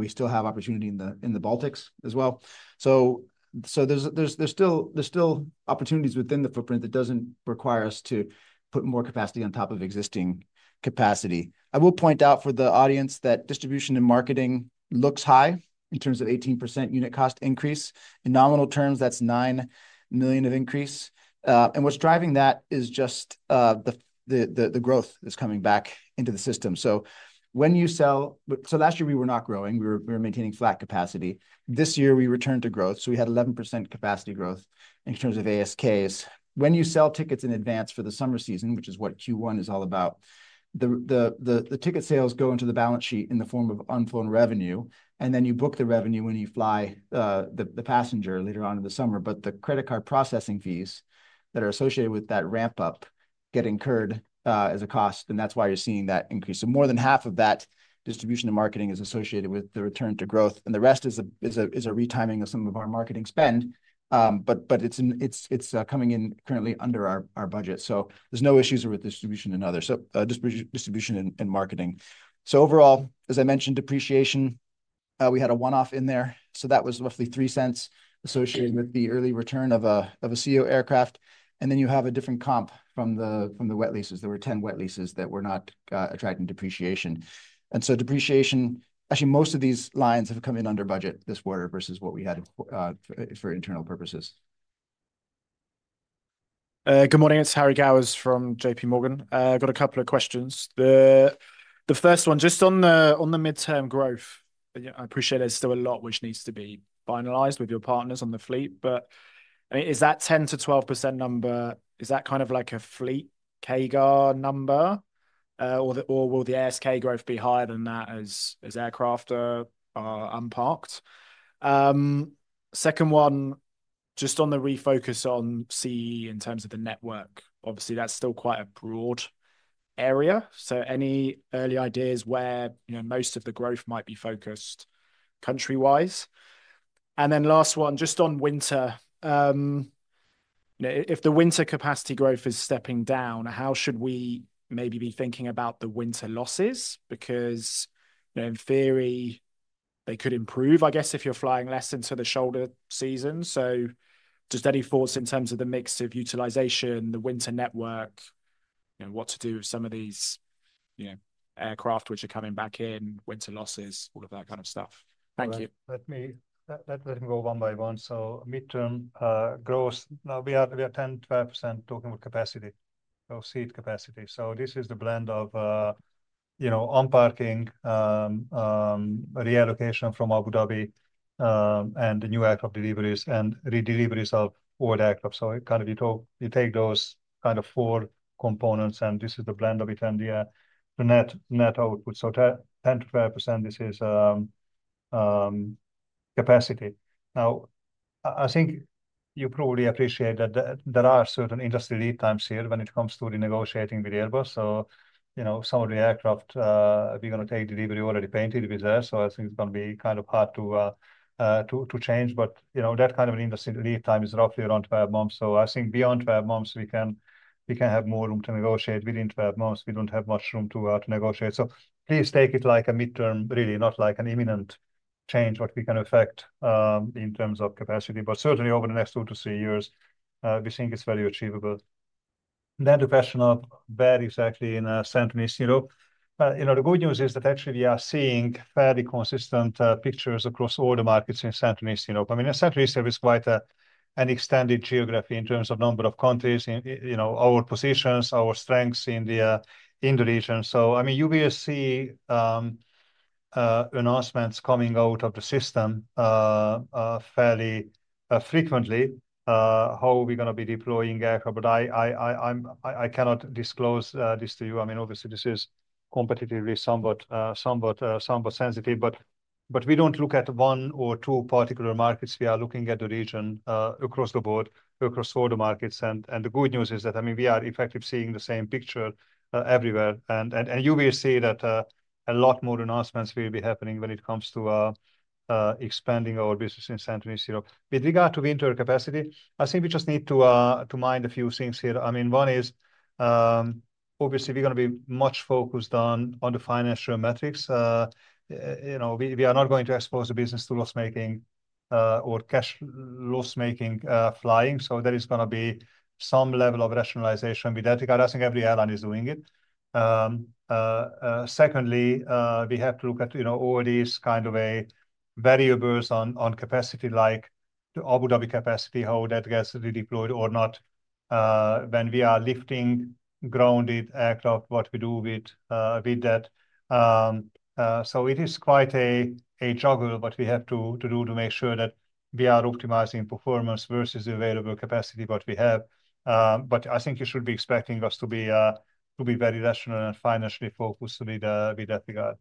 still have opportunity in the Baltics as well. There are still opportunities within the footprint that doesn't require us to put more capacity on top of existing capacity. I will point out for the audience that distribution and marketing looks high in terms of 18% unit cost increase. In nominal terms, that's 9 million of increase. What's driving that is just the growth is coming back into the system. When you sell, last year we were not growing. We were maintaining flat capacity. This year we returned to growth. We had 11% capacity growth in terms of ASKs. When you sell tickets in advance for the summer season, which is what Q1 is all about, the ticket sales go into the balance sheet in the form of unflown revenue. You book the revenue when you fly the passenger later on in the summer. The credit card processing fees that are associated with that ramp-up get incurred as a cost. That's why you're seeing that increase. More than half of that distribution and marketing is associated with the return to growth. The rest is a retiming of some of our marketing spend. It's coming in currently under our budget. There's no issues with distribution and others, so distribution and marketing. Overall, as I mentioned, depreciation, we had a one-off in there. That was roughly $0.03 associated with the early return of a CEO aircraft. Then you have a different comp from the wet leases. There were 10 wet leases that were not attracting depreciation. Depreciation, actually, most of these lines have come in under budget this quarter versus what we had for internal purposes. Good morning, it's Harry Gowers from JPMorgan. I've got a couple of questions. The first one just on the mid-term growth. I appreciate there's still a lot which needs to be finalized with your partners on the fleet. Is that 10%-12% number, is that kind of like a fleet CAGR number, or will the ASK growth be higher than that as aircraft are unparked? Second one, just on the refocus on CEE in terms of the network. Obviously, that's still quite a broad area. Any early ideas where most of the growth might be focused country-wise? Last one, just on winter. If the winter capacity growth is stepping down, how should we maybe be thinking about the winter losses? In theory, they could improve, I guess, if yo%u're flying less into the shoulder season. Any thoughts in terms of the mix of utilization, the winter network, what to do with some of these aircraft which are coming back in, winter losses, all of that kind of stuff. Thank you. Let me go one by one. So mid-term, growth. Now we are 10-12% talking about capacity, our seat capacity. This is the blend of, you know, on-parking, reallocation from Abu Dhabi, and the new aircraft deliveries and redeliveries of old aircraft. You take those four components and this is the blend of it and the net net output. So 10%-12%, this is capacity. I think you probably appreciate that there are certain industry lead times here when it comes to renegotiating with Airbus. Some of the aircraft, we're going to take delivery already painted with us. I think it's going to be kind of hard to change. That kind of an industry lead time is roughly around 12 months. I think beyond 12 months, we can have more room to negotiate. Within 12 months, we don't have much room to negotiate. Please take it like a mid-term, really, not like an imminent change, what we can affect, in terms of capacity. Certainly over the next two to three years, we think it's very achievable. The question of where exactly in Central and Eastern Europe. The good news is that actually we are seeing fairly consistent pictures across all the markets in Central and Eastern Europe. Central and Eastern Europe is quite an extended geography in terms of number of countries, our positions, our strengths in the region. You will see announcements coming out of the system fairly frequently, how we're going to be deploying aircraft. I cannot disclose this to you. Obviously, this is competitively somewhat sensitive. We don't look at one or two particular markets. We are looking at the region, across the board, across all the markets. The good news is that we are effectively seeing the same picture everywhere. You will see that a lot more announcements will be happening when it comes to expanding our business in Central and Eastern Europe. With regard to winter capacity, I think we just need to mind a few things here. One is, obviously, we're going to be much focused on the financial metrics. We are not going to expose the business to loss-making, or cash loss-making, flying. There is going to be some level of rationalization with that regard. I think every airline is doing it. Secondly, we have to look at, you know, all these kind of variables on capacity, like the Abu Dhabi capacity, how that gets redeployed or not, when we are lifting grounded aircraft, what we do with that. It is quite a juggle what we have to do to make sure that we are optimizing performance versus the available capacity we have. I think you should be expecting us to be very rational and financially focused with that regard.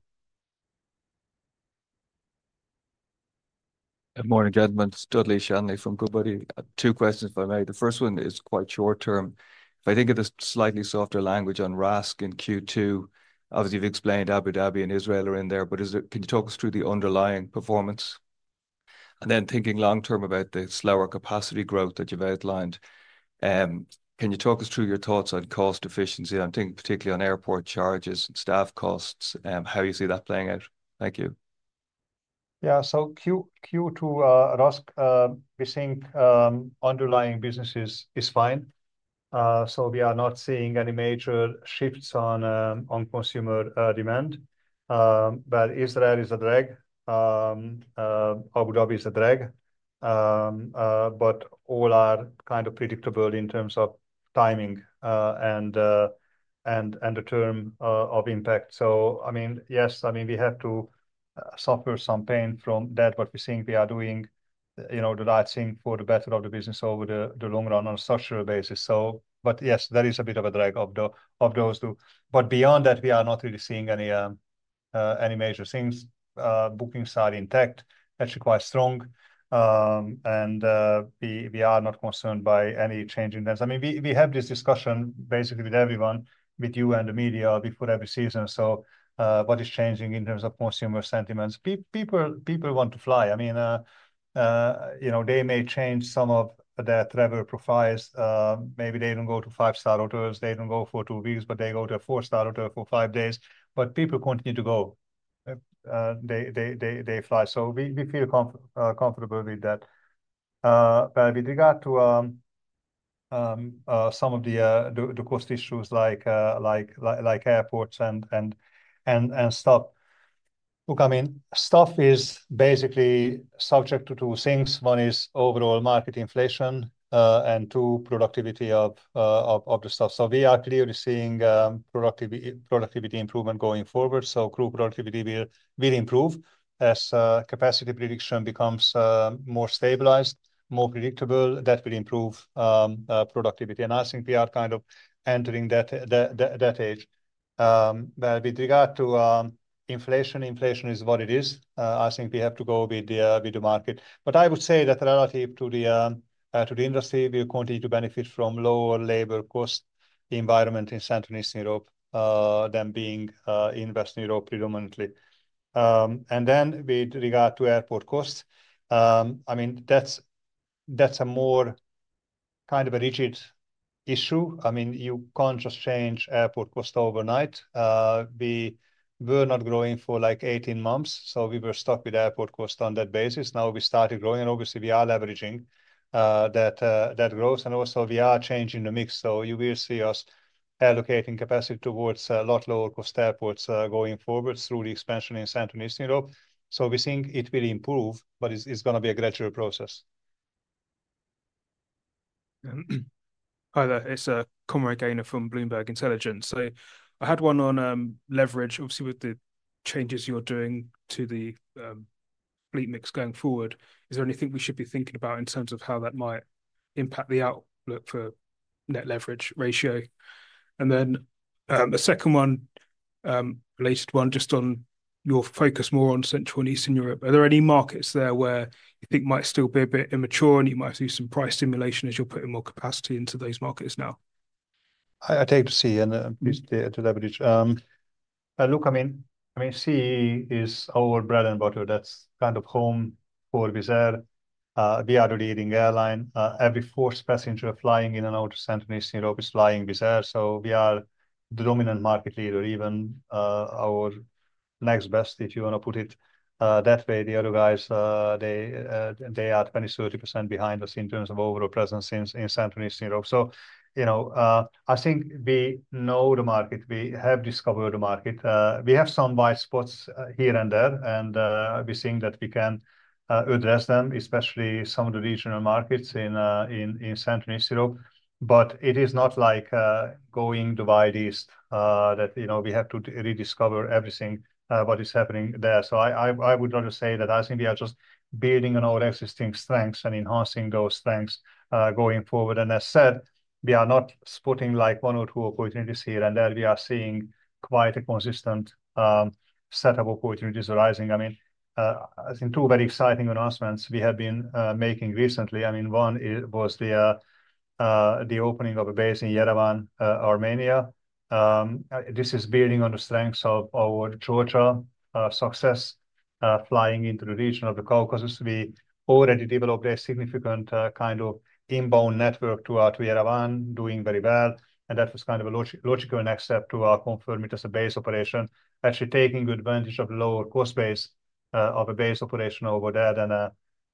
Good morning, gentlemen. It's Dudley Shanley from Goodbody. Two questions if I may. The first one is quite short term. If I think of the slightly softer language on RASK in Q2, obviously you've explained Abu Dhabi and Israel are in there, but can you talk us through the underlying performance? Thinking long term about the slower capacity growth that you've outlined, can you talk us through your thoughts on cost efficiency? I'm thinking particularly on airport charges and staff costs and how you see that playing out. Thank you. Yeah, so Q2 RASK, we think underlying business is fine. We are not seeing any major shifts on consumer demand. Israel is a drag. Abu Dhabi is a drag. All are kind of predictable in terms of timing and the term of impact. Yes, we have to suffer some pain from that, but we think we are doing the right thing for the better of the business over the long run on a structural basis. Yes, there is a bit of a drag of those two. Beyond that, we are not really seeing any major things. Bookings are intact, actually quite strong. We are not concerned by any changing things. We have this discussion basically with everyone, with you and the media before every season. What is changing in terms of consumer sentiments? People want to fly. They may change some of their travel profiles. Maybe they don't go to five-star hotels, they don't go for two weeks, but they go to a four-star hotel for five days. People continue to go. They fly. We feel comfortable with that. With regard to some of the cost issues like airports and stuff, stuff is basically subject to two things. One is overall market inflation and two, productivity of the staff. We are clearly seeing productivity improvement going forward. Crew productivity will improve as capacity prediction becomes more stabilized, more predictable. That will improve productivity. I think we are kind of entering that age. With regard to inflation, inflation is what it is. We have to go with the market. I would say that relative to the industry, we're continuing to benefit from lower labor cost environment in Central and Eastern Europe than being in Western Europe predominantly. With regard to airport costs, that's a more kind of a rigid issue. You can't just change airport costs overnight. We were not growing for like 18 months, so we were stuck with airport costs on that basis. Now we started growing, and obviously we are leveraging that growth. Also, we are changing the mix. You will see us allocating capacity towards a lot lower cost airports going forward through the expansion in Central and Eastern Europe. We think it will improve, but it's going to be a gradual process. Hi there, it's Conroy Gaynor from Bloomberg Intelligence. I had one on leverage, obviously with the changes you're doing to the fleet mix going forward. Is there anything we should be thinking about in terms of how that might impact the outlook for net leverage ratio? The second one, related one, just on your focus more on Central and Eastern Europe. Are there any markets there where you think might still be a bit immature and you might see some price stimulation as you're putting more capacity into those markets now? I take the CEE and the leverage. Look, I mean, CEE is our bread and butter. That's kind of home for Wizz Air. We are the leading airline. Every fourth passenger flying in and out of Central and Eastern Europe is flying Wizz Air. We are the dominant market leader, even our next best, if you want to put it that way. The other guys, they are 20%-30% behind us in terms of overall presence in Central and Eastern Europe. I think we know the market. We have discovered the market. We have some white spots here and there, and we think that we can address them, especially some of the regional markets in Central and Eastern Europe. It is not like going to the wide east that we have to rediscover everything that is happening there. I would rather say that I think we are just building on our existing strengths and enhancing those strengths going forward. As I said, we are not spotting like one or two opportunities here, we are seeing quite a consistent set of opportunities arising. I think two very exciting announcements we have been making recently. One was the opening of a base in Yerevan, Armenia. This is building on the strengths of our Georgia success flying into the region of the Caucasus. We already developed a significant kind of inbound network to Yerevan, doing very well. That was kind of a logical next step to confirm it as a base operation, actually taking advantage of the lower cost base of a base operation over there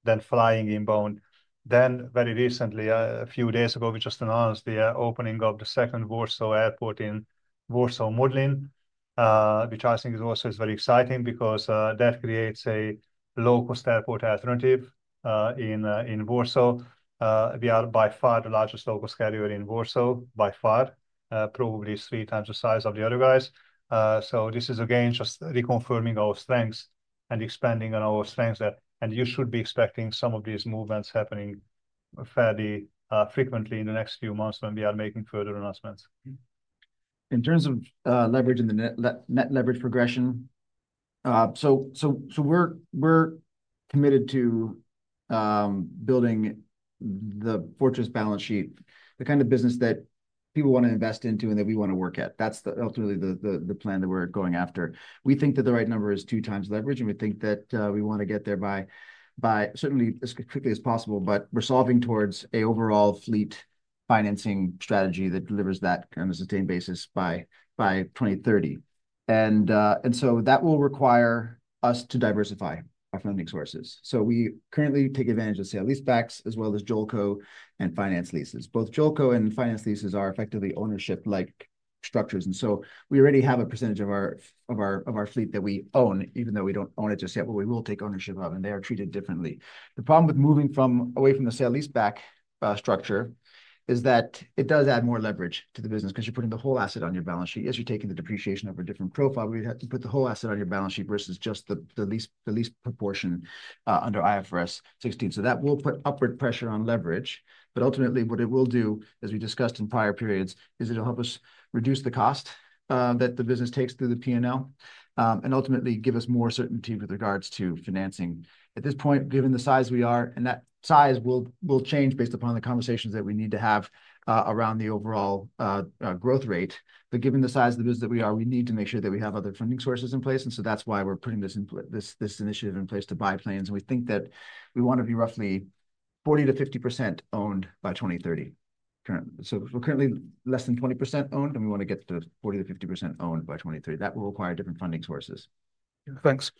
than flying inbound. Very recently, a few days ago, we just announced the opening of the second Warsaw airport in Warsaw Modlin, which I think is also very exciting because that creates a low-cost airport alternative in Warsaw. We are by far the largest low-cost carrier in Warsaw, by far, probably three times the size of the other guys. This is again just reconfirming our strengths and expanding on our strengths there. You should be expecting some of these movements happening fairly frequently in the next few months when we are making further announcements. In terms of leveraging the net leverage progression, we're committed to building the fortress balance sheet, the kind of business that people want to invest into and that we want to work at. That's ultimately the plan that we're going after. We think that the right number is two times leverage, and we think that we want to get there certainly as quickly as possible, but we're solving towards an overall fleet financing strategy that delivers that on a sustained basis by 2030. That will require us to diversify our funding sources. We currently take advantage of sale-leasebacks as well as JOLCO and finance leases. Both JOLCO and finance leases are effectively ownership-like structures. We already have a percentage of our fleet that we own, even though we don't own it just yet, but we will take ownership of, and they are treated differently. The problem with moving away from the sale-leaseback structure is that it does add more leverage to the business because you're putting the whole asset on your balance sheet. As you're taking the depreciation of a different profile, we have to put the whole asset on your balance sheet versus just the leased proportion under IFRS 16. That will put upward pressure on leverage. Ultimately, what it will do, as we discussed in prior periods, is it'll help us reduce the cost that the business takes through the P&L and ultimately give us more certainty with regards to financing. At this point, given the size we are, and that size will change based upon the conversations that we need to have around the overall growth rate, given the size of the business that we are, we need to make sure that we have other funding sources in place. That's why we're putting this initiative in place to buy planes. We think that we want to be roughly 40%-50% owned by 2030 currently. We're currently less than 20% owned, and we want to get to 40%-50% owned by 2030. That will require different funding sources. Thanks.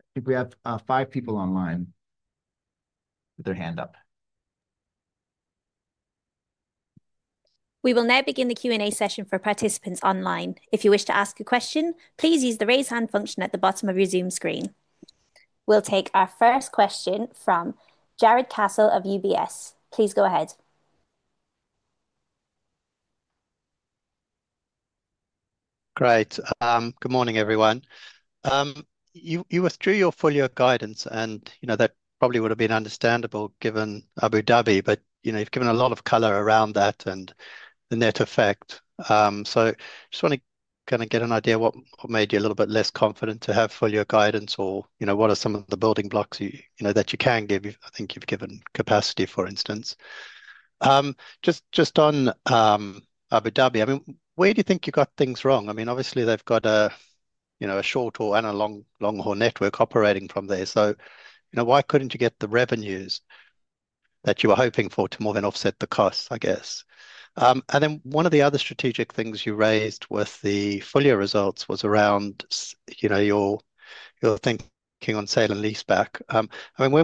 I think we have five people online with their hand up. We will now begin the Q&A session for participants online. If you wish to ask a question, please use the raise hand function at the bottom of your Zoom screen. We'll take our first question from Jarrod Castle of UBS. Please go ahead. Great. Good morning, everyone. You withdrew your full year guidance, and you know that probably would have been understandable given Abu Dhabi, but you've given a lot of color around that and the net effect. I just want to kind of get an idea of what made you a little bit less confident to have full year guidance or what are some of the building blocks that you can give? I think you've given capacity, for instance. Just on Abu Dhabi, where do you think you got things wrong? Obviously they've got a short-haul and a long-haul network operating from there. Why couldn't you get the revenues that you were hoping for to more than offset the costs, I guess? One of the other strategic things you raised with the full year results was around your thinking on sale-leaseback.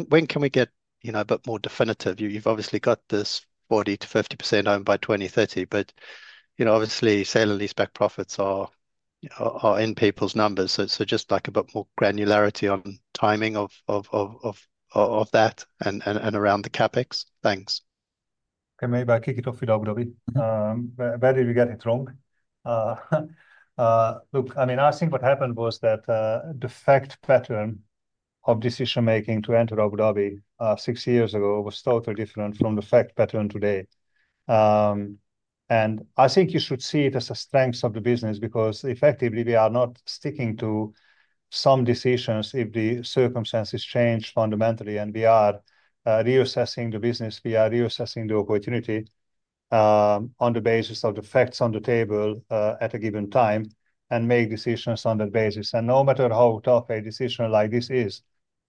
When can we get a bit more definitive? You've obviously got this 40%-50% owned by 2030, but obviously sale-leaseback profits are in people's numbers. I'd just like a bit more granularity on timing of that and around the CapEx. Thanks. Okay, maybe I'll kick it off with Abu Dhabi. Where did we get it wrong? Look, I mean, I think what happened was that the fact pattern of decision-making to enter Abu Dhabi six years ago was totally different from the fact pattern today. I think you should see it as a strength of the business because effectively we are not sticking to some decisions if the circumstances change fundamentally, and we are reassessing the business. We are reassessing the opportunity on the basis of the facts on the table at a given time and make decisions on that basis. No matter how tough a decision like this is,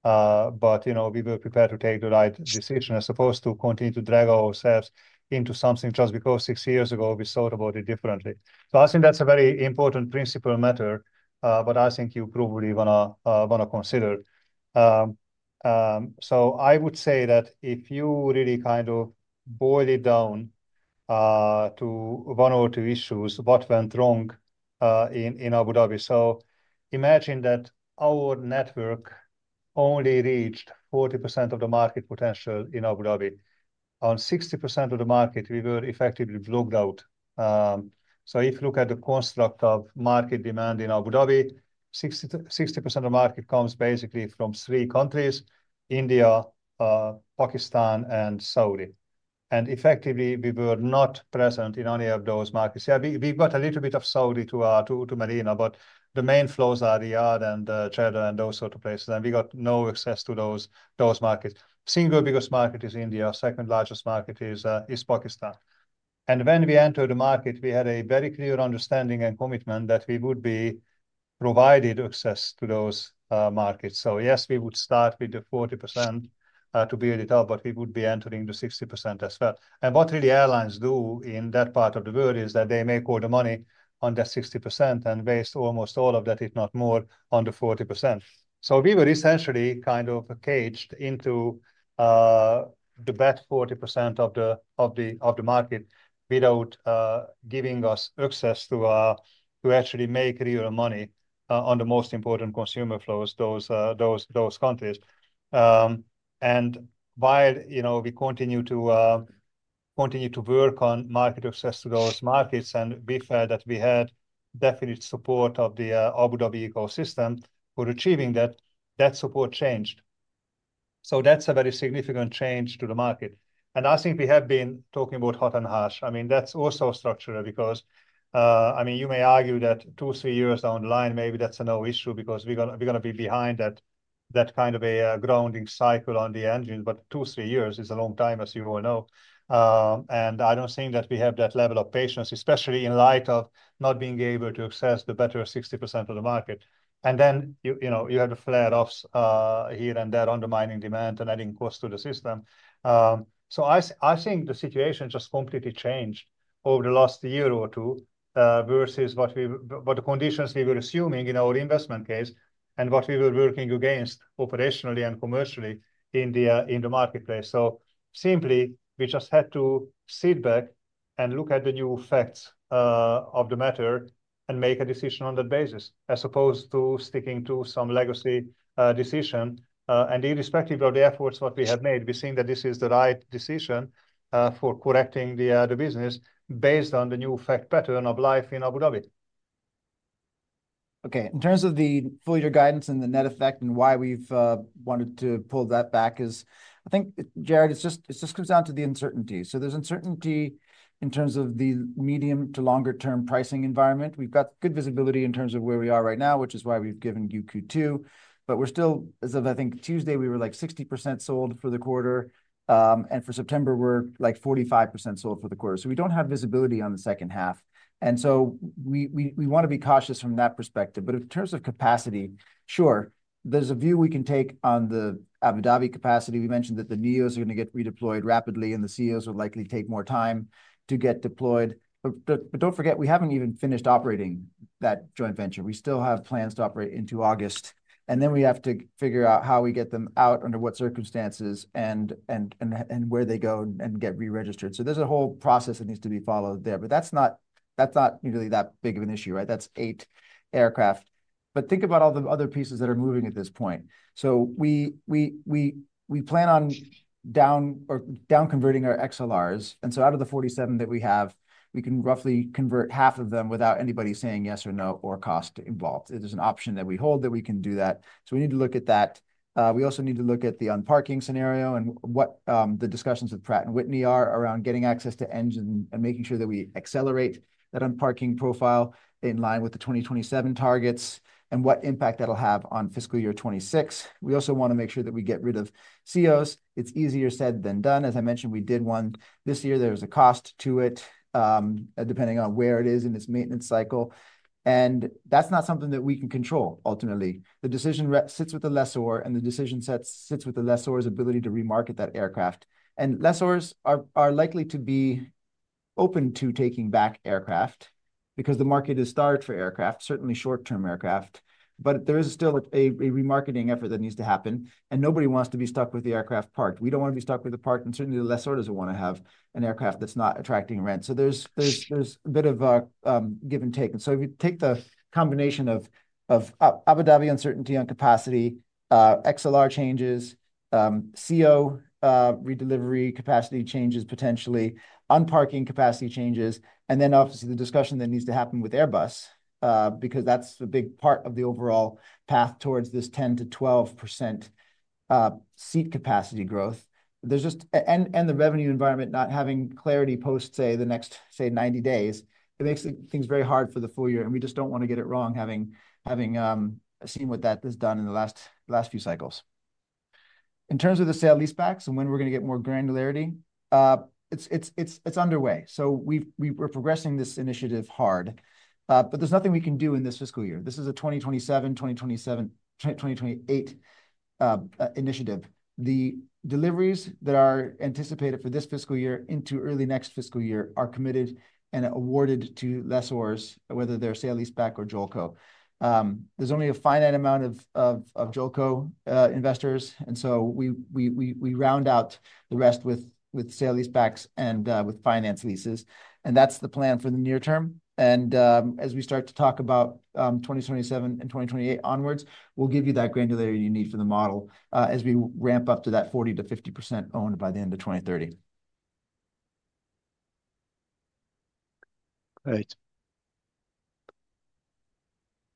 but you know, we were prepared to take the right decision as opposed to continue to drag ourselves into something just because six years ago we thought about it differently. I think that's a very important principle matter, but I think you probably want to consider it. I would say that if you really kind of boil it down to one or two issues, what went wrong in Abu Dhabi. Imagine that our network only reached 40% of the market potential in Abu Dhabi. On 60% of the market, we were effectively blocked out. If you look at the construct of market demand in Abu Dhabi, 60% of the market comes basically from three countries: India, Pakistan, and Saudi. Effectively, we were not present in any of those markets. Yeah, we got a little bit of Saudi to Marina, but the main flows are Riyadh and Jeddah and those sorts of places. We got no access to those markets. The single biggest market is India. The second largest market is Pakistan. When we entered the market, we had a very clear understanding and commitment that we would be provided access to those markets. Yes, we would start with the 40% to build it up, but we would be entering the 60% as well. What really airlines do in that part of the world is that they make all the money on that 60% and waste almost all of that, if not more, on the 40%. We were essentially kind of caged into the bad 40% of the market without giving us access to actually make real money on the most important consumer flows, those countries. While, you know, we continue to work on market access to those markets and we felt that we had definite support of the Abu Dhabi ecosystem for achieving that, that support changed. That's a very significant change to the market. I think we have been talking about hot and harsh. I mean, that's also structural because, I mean, you may argue that two, three years down the line, maybe that's a non-issue because we're going to be behind that kind of a grounding cycle on the engine. Two, three years is a long time, as you all know. I don't think that we have that level of patience, especially in light of not being able to access the better 60% of the market. You have the flare-ups here and there, undermining demand and adding costs to the system. I think the situation just completely changed over the last year or two versus what the conditions we were assuming in our investment case and what we were working against operationally and commercially in the marketplace. Simply, we just had to sit back and look at the new facts of the matter and make a decision on that basis, as opposed to sticking to some legacy decision. Irrespective of the efforts that we have made, we think that this is the right decision for correcting the business based on the new fact pattern of life in Abu Dhabi. Okay. In terms of the full year guidance and the net effect and why we've wanted to pull that back, I think, Jarrod, it just comes down to the uncertainty. There's uncertainty in terms of the medium to longer-term pricing environment. We've got good visibility in terms of where we are right now, which is why we've given you Q2. We're still, as of, I think, Tuesday, we were like 60% sold for the quarter. For September, we're like 45% sold for the quarter. We don't have visibility on the second half, and we want to be cautious from that perspective. In terms of capacity, sure, there's a view we can take on the Abu Dhabi capacity. We mentioned that the NEOs are going to get redeployed rapidly and the CEOs will likely take more time to get deployed. Don't forget, we haven't even finished operating that joint venture. We still have plans to operate into August. We have to figure out how we get them out, under what circumstances, and where they go and get re-registered. There's a whole process that needs to be followed there. That's not really that big of an issue, right? That's eight aircraft. Think about all the other pieces that are moving at this point. We plan on down-converting our XLRs. Out of the 47 that we have, we can roughly convert half of them without anybody saying yes or no or cost involved. There's an option that we hold that we can do that, so we need to look at that. We also need to look at the unparking scenario and what the discussions with Pratt & Whitney are around getting access to engines and making sure that we accelerate that unparking profile in line with the 2027 targets and what impact that'll have on fiscal year 2026. We also want to make sure that we get rid of CEOs. It's easier said than done. As I mentioned, we did one this year. There's a cost to it, depending on where it is in its maintenance cycle. That's not something that we can control, ultimately. The decision sits with the lessor and the decision sits with the lessor's ability to remarket that aircraft. Lessors are likely to be open to taking back aircraft because the market is starved for aircraft, certainly short-term aircraft. There is still a remarketing effort that needs to happen. Nobody wants to be stuck with the aircraft parked. We don't want to be stuck with the parked, and certainly, the lessor doesn't want to have an aircraft that's not attracting rent. There's a bit of a give and take. If we take the combination of Abu Dhabi uncertainty on capacity, XLR changes, CEO redelivery capacity changes potentially, unparking capacity changes, and then obviously the discussion that needs to happen with Airbus, because that's a big part of the overall path towards this 10%-12% seat capacity growth, and the revenue environment not having clarity post, say, the next 90 days, it makes things very hard for the full year. We just don't want to get it wrong, having seen what that has done in the last few cycles. In terms of the sale-leasebacks and when we're going to get more granularity, it's underway. We've been progressing this initiative hard, but there's nothing we can do in this fiscal year. This is a 2027, 2028 initiative. The deliveries that are anticipated for this fiscal year into early next fiscal year are committed and awarded to lessors, whether they're sale-leaseback or JOLCO. There's only a finite amount of JOLCO investors, and so we round out the rest with sale-leasebacks and with finance leases. That's the plan for the near term. As we start to talk about 2027 and 2028 onwards, we'll give you that granularity you need for the model as we ramp up to that 40%-50% owned by the end of 2030. All right.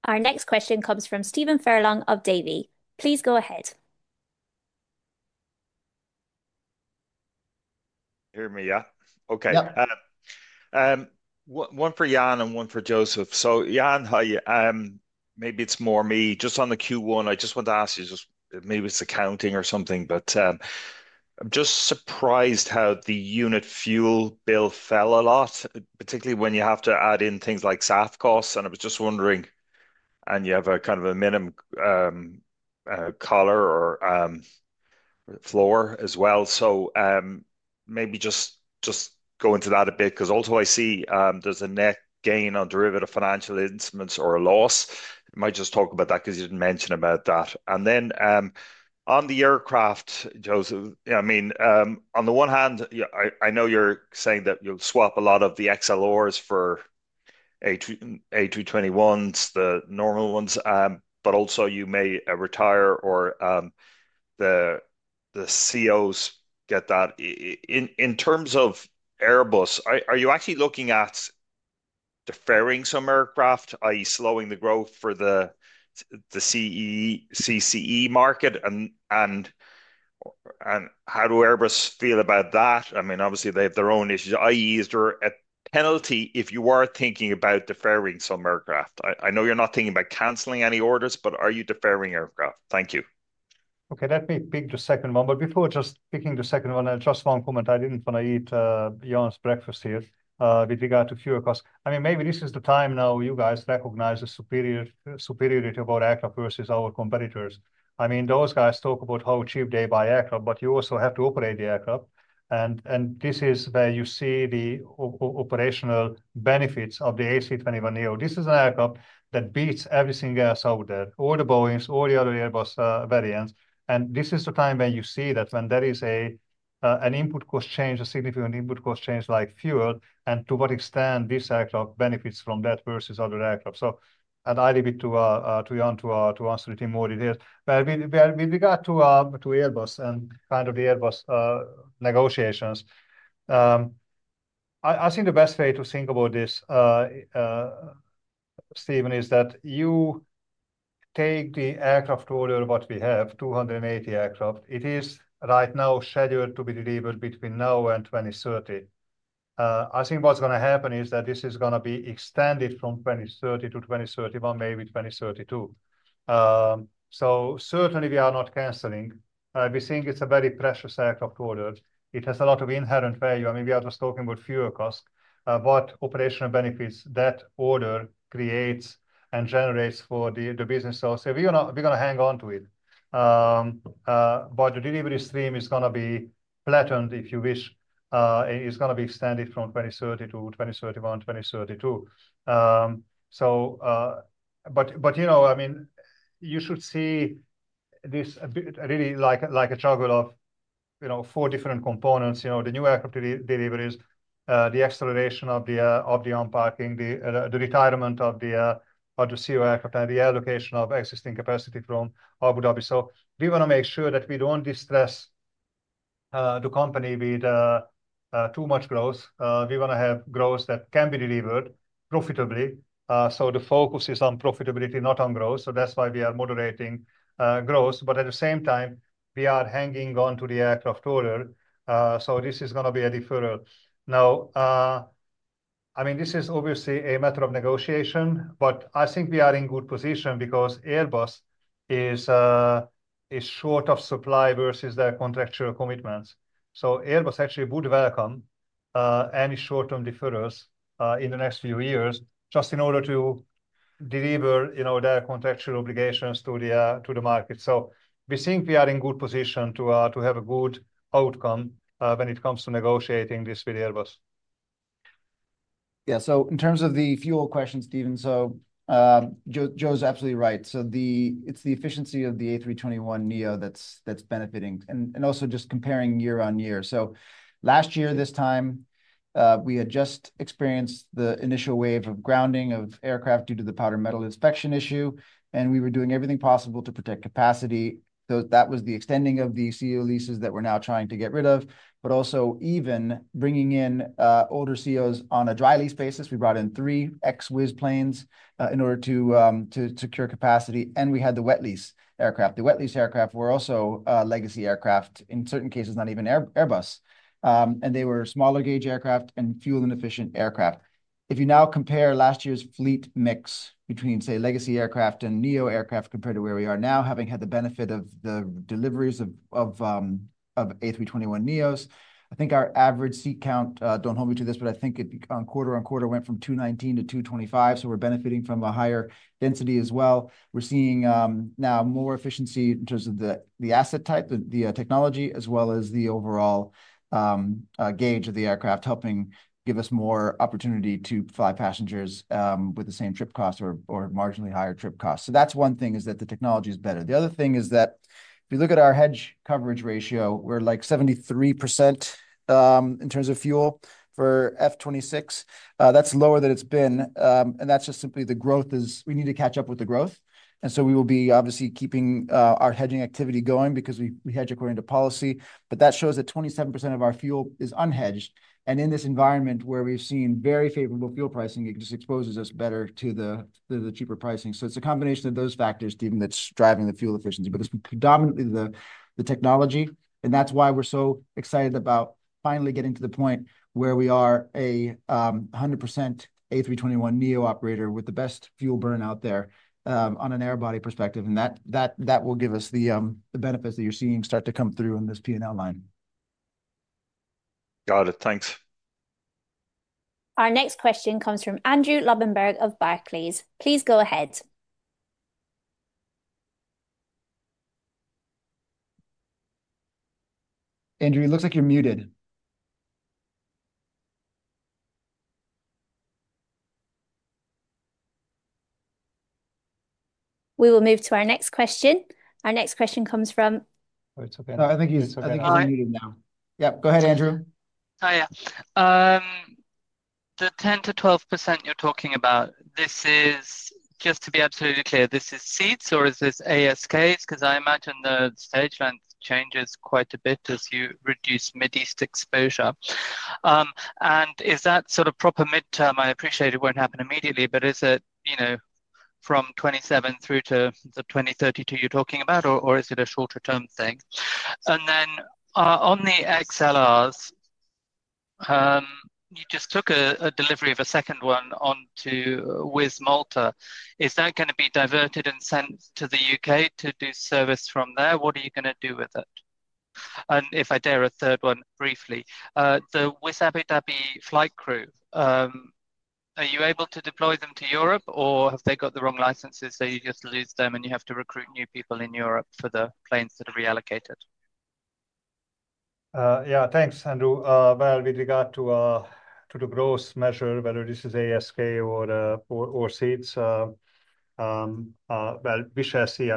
Our next question comes from Stephen Furlong of Davy. Please go ahead. Hear me? Yeah. Okay. One for Ian and one for József. So Ian, how are you? Maybe it's more me. Just on the Q1, I just want to ask you, just maybe it's accounting or something, but I'm just surprised how the unit fuel bill fell a lot, particularly when you have to add in things like SAT costs. I was just wondering, and you have a kind of a minimum collar or floor as well. Maybe just go into that a bit because also I see there's a net gain on derivative financial instruments or a loss. I might just talk about that because you didn't mention about that. Then on the aircraft, József, I mean, on the one hand, I know you're saying that you'll swap a lot of the XLRs for A321s, the normal ones, but also you may retire or the CEOs, get that. In terms of Airbus, are you actually looking at deferring some aircraft, i.e., slowing the growth for the CEE market? How do Airbus feel about that? I mean, obviously they have their own issues, i.e., is there a penalty if you are thinking about deferring some aircraft? I know you're not thinking about canceling any orders, but are you deferring aircraft? Thank you. Okay, that's me picking the second one. Before just picking the second one, just one comment, I didn't want to eat Ian's breakfast here with regard to fuel costs. Maybe this is the time now you guys recognize the superiority about aircraft versus our competitors. Those guys talk about how cheap they buy aircraft, but you also have to operate the aircraft. This is where you see the operational benefits of the A321neo. This is an aircraft that beats everything else out there, all the Boeings, all the other Airbus variants. This is the time when you see that when there is an input cost change, a significant input cost change like fuel, and to what extent this aircraft benefits from that versus other aircraft. I leave it to Ian to answer it in more detail. With regard to Airbus and the Airbus negotiations, I think the best way to think about this, Stephen, is that you take the aircraft total of what we have, 280 aircraft. It is right now scheduled to be delivered between now and 2030. I think what's going to happen is that this is going to be extended from 2030 to 2031, maybe 2032. Certainly we are not canceling. We think it's a very precious aircraft order. It has a lot of inherent value. We are just talking about fuel cost, but operational benefits that order creates and generates for the business. We're going to hang on to it, but the delivery stream is going to be flattened, if you wish. It's going to be extended from 2030 to 2031, 2032. You should see this really like a juggle of four different components: the new aircraft deliveries, the acceleration of the unparking, the retirement of the ceo aircraft, and the allocation of existing capacity from Abu Dhabi. We want to make sure that we don't distress the company with too much growth. We want to have growth that can be delivered profitably. The focus is on profitability, not on growth. That's why we are moderating growth, but at the same time, we are hanging on to the aircraft order. This is going to be a deferral. This is obviously a matter of negotiation, but I think we are in a good position because Airbus is short of supply versus their contractual commitments. Airbus actually would welcome any short-term deferrals in the next few years just in order to deliver their contractual obligations to the market. We think we are in a good position to have a good outcome when it comes to negotiating this with Airbus. Yeah, in terms of the fuel question, Stephen, Joe is absolutely right. It's the efficiency of the A321neo that's benefiting. Also, just comparing year on year, last year at this time, we had just experienced the initial wave of grounding of aircraft due to the powder metal inspection issue. We were doing everything possible to protect capacity. That was the extending of the CEO leases that we're now trying to get rid of, but also even bringing in older CEOs on a dry lease basis. We brought in three ex-Wizz planes in order to secure capacity, and we had the wet lease aircraft. The wet lease aircraft were also legacy aircraft, in certain cases not even Airbus, and they were smaller gauge aircraft and fuel-inefficient aircraft. If you now compare last year's fleet mix between, say, legacy aircraft and NEO aircraft compared to where we are now, having had the benefit of the deliveries of A321neos, I think our average seat count, don't hold me to this, but I think quarter-on-quarter went from 219 to 225. We're benefiting from a higher density as well. We're seeing now more efficiency in terms of the asset type, the technology, as well as the overall gauge of the aircraft, helping give us more opportunity to fly passengers with the same trip cost or marginally higher trip cost. One thing is that the technology is better. If you look at our hedge coverage ratio, we're like 73% in terms of fuel for fiscal 2026. That's lower than it's been, and that's just simply the growth is we need to catch up with the growth. We will be obviously keeping our hedging activity going because we hedge according to policy, but that shows that 27% of our fuel is unhedged. In this environment where we've seen very favorable fuel pricing, it just exposes us better to the cheaper pricing. It's a combination of those factors, Stephen, that's driving the fuel efficiency. It's predominantly the technology. That's why we're so excited about finally getting to the point where we are a 100% A321neo operator with the best fuel burn out there on an airbody perspective. That will give us the benefits that you're seeing start to come through in this P&L line. Got it. Thanks. Our next question comes from Andrew Lobbenberg of Barclays. Please go ahead. Andrew, it looks like you're muted. We will move to our next question. Our next question comes from Oh, it's okay. No, I think he's muted now. Yeah, go ahead, Andrew. Oh, yeah. The 10%-12% you're talking about, this is just to be absolutely clear, this is seats or is this ASKs? Because I imagine the stage rent changes quite a bit as you reduce Mideast exposure. Is that sort of proper mid-term? I appreciate it won't happen immediately, but is it, you know, from 2027 through to 2032 you're talking about, or is it a shorter-term thing? On the XLRs, you just took a delivery of a second one onto Wizz Malta. Is that going to be diverted and sent to the U.K. to do service from there? What are you going to do with it? If I dare a third one briefly, the Wizz Abu Dhabi flight crew, are you able to deploy them to Europe, or have they got the wrong licenses so you just lose them and you have to recruit new people in Europe for the planes that are reallocated? Yeah, thanks, Andrew. With regard to the growth measure, whether this is ASK or seats, we shall see.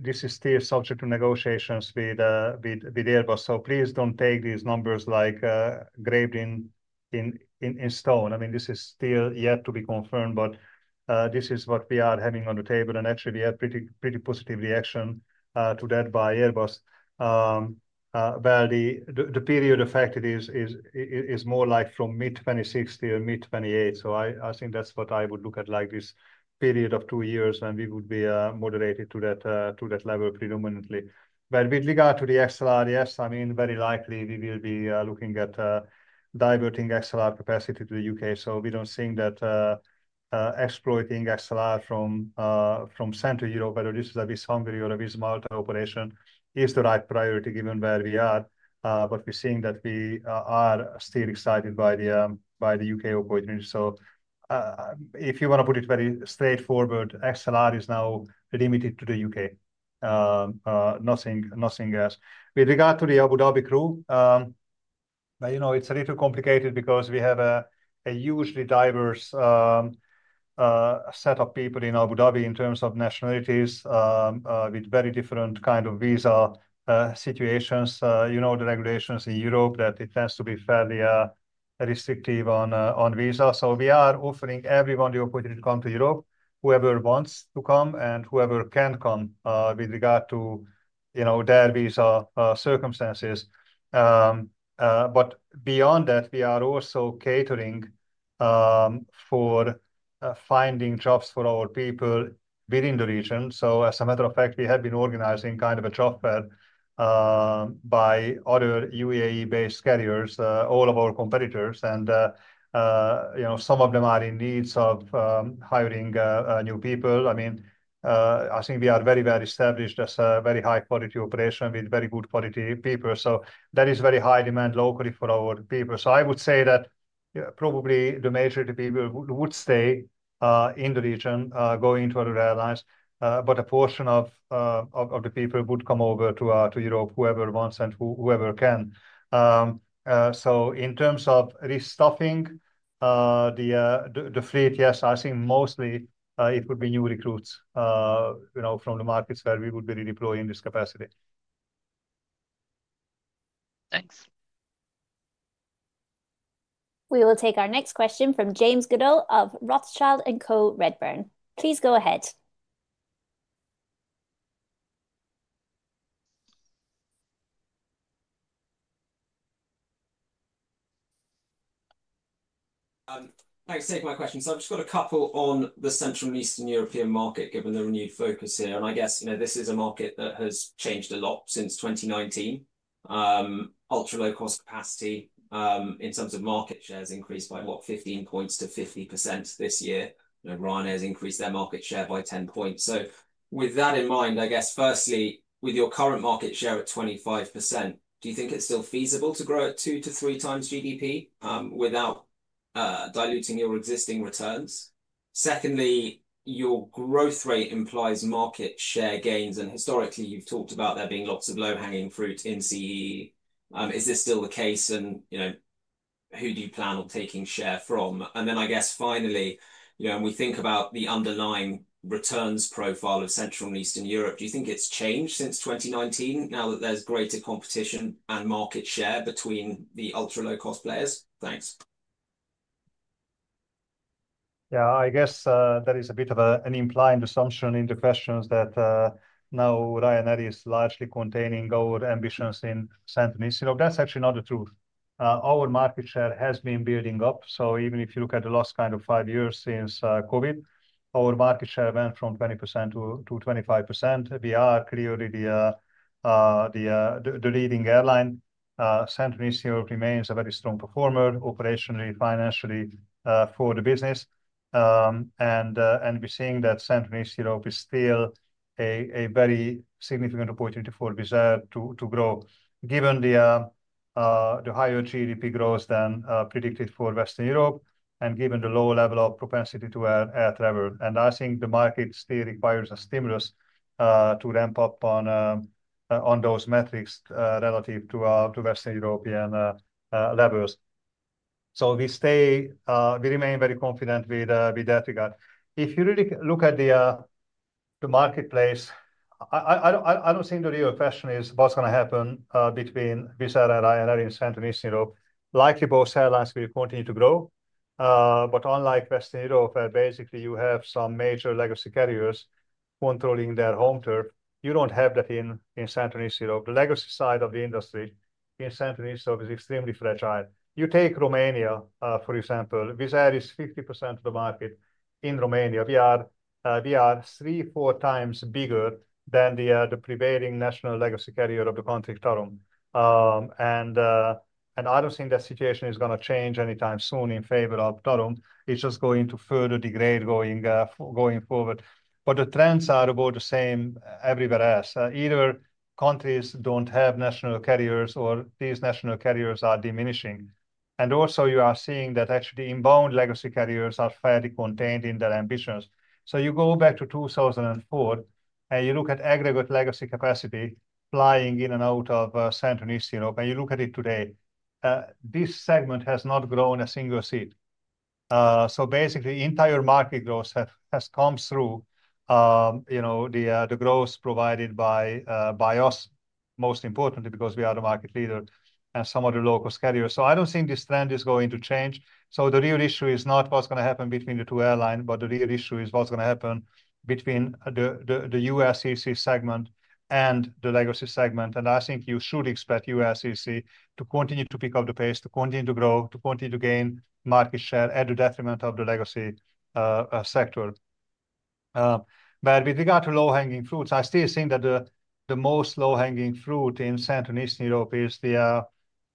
This is still subject to negotiations with Airbus. Please don't take these numbers like graved in stone. This is still yet to be confirmed, but this is what we are having on the table. Actually, we had a pretty positive reaction to that by Airbus. The period affected is more like from mid-2026 to mid-2028. I think that's what I would look at, like this period of two years when we would be moderated to that level predominantly. With regard to the XLR, yes, very likely we will be looking at diverting XLR capacity to the U.K. We don't think that exploiting XLR from Central Europe, whether this is a Wizz Hungary or a Wizz Malta operation, is the right priority given where we are. We think that we are still excited by the U.K. operators. If you want to put it very straightforward, XLR is now limited to the U.K. Nothing else. With regard to the Abu Dhabi crew, it's a little complicated because we have a hugely diverse set of people in Abu Dhabi in terms of nationalities with very different kinds of visa situations. The regulations in Europe have to be fairly restrictive on visa. We are offering everyone the opportunity to come to Europe, whoever wants to come and whoever can come with regard to their visa circumstances. Beyond that, we are also catering for finding jobs for our people within the region. As a matter of fact, we have been organizing kind of a job fair by other U.A.E.-based carriers, all of our competitors. Some of them are in need of hiring new people. I think we are very, very established as a very high-quality operation with very good quality people. There is very high demand locally for our people. I would say that probably the majority of people would stay in the region, going to other airlines. A portion of the people would come over to Europe, whoever wants and whoever can. In terms of restuffing the fleet, mostly it would be new recruits from the markets where we would be redeploying this capacity. Thanks. We will take our next question from James Goodall of Rothschild & Co Redburn. Please go ahead. Thanks for taking my question. I've just got a couple on the Central and Eastern European market, given the renewed focus here. This is a market that has changed a lot since 2019. Ultra low-cost capacity, in terms of market shares, increased by 15 points to 50% this year. Ryanair has increased their market share by 10 points. With that in mind, firstly, with your current market share at 25%, do you think it's still feasible to grow at two to three times GDP without diluting your existing returns? Secondly, your growth rate implies market share gains. Historically, you've talked about there being lots of low-hanging fruit in CEE. Is this still the case? Who do you plan on taking share from? Finally, when we think about the underlying returns profile of Central and Eastern Europe, do you think it's changed since 2019 now that there's greater competition and market share between the ultra low-cost players? Yeah, I guess there is a bit of an implied assumption in the questions that now Ryanair is largely containing our ambitions in Central and Eastern Europe. That's actually not the truth. Our market share has been building up. Even if you look at the last kind of five years since COVID, our market share went from 20%-25%. We are clearly the leading airline. Central and Eastern Europe remains a very strong performer operationally and financially for the business. We're seeing that Central and Eastern Europe is still a very significant opportunity for Wizz Air to grow, given the higher GDP growth than predicted for Western Europe and given the low level of propensity to air travel. I think the market still requires a stimulus to ramp up on those metrics relative to Western European levels. We remain very confident with that regard. If you really look at the marketplace, I don't think the real question is what's going to happen between Wizz Air and Ryanair in Central and Eastern Europe. Likely, both airlines will continue to grow. Unlike Western Europe, where basically you have some major legacy carriers controlling their home turf, you don't have that in Central and Eastern Europe. The legacy side of the industry in Central and Eastern Europe is extremely fragile. You take Romania, for example. Wizz Air is 50% of the market in Romania. We are three, four times bigger than the prevailing national legacy carrier of the country, TAROM. I don't think that situation is going to change anytime soon in favor of TAROM. It's just going to further degrade going forward. The trends are about the same everywhere else. Either countries don't have national carriers or these national carriers are diminishing. Also, you are seeing that actually inbound legacy carriers are fairly contained in their ambitions. You go back to 2004 and you look at aggregate legacy capacity flying in and out of Central and Eastern Europe, and you look at it today. This segment has not grown a single seat. Basically, the entire market growth has come through the growth provided by us, most importantly because we are the market leader, and some of the low-cost carriers. I don't think this trend is going to change. The real issue is not what's going to happen between the two airlines, but the real issue is what's going to happen between the USEC segment and the legacy segment. I think you should expect USEC to continue to pick up the pace, to continue to grow, to continue to gain market share at the detriment of the legacy sector. With regard to low-hanging fruits, I still think that the most low-hanging fruit in Central and Eastern Europe is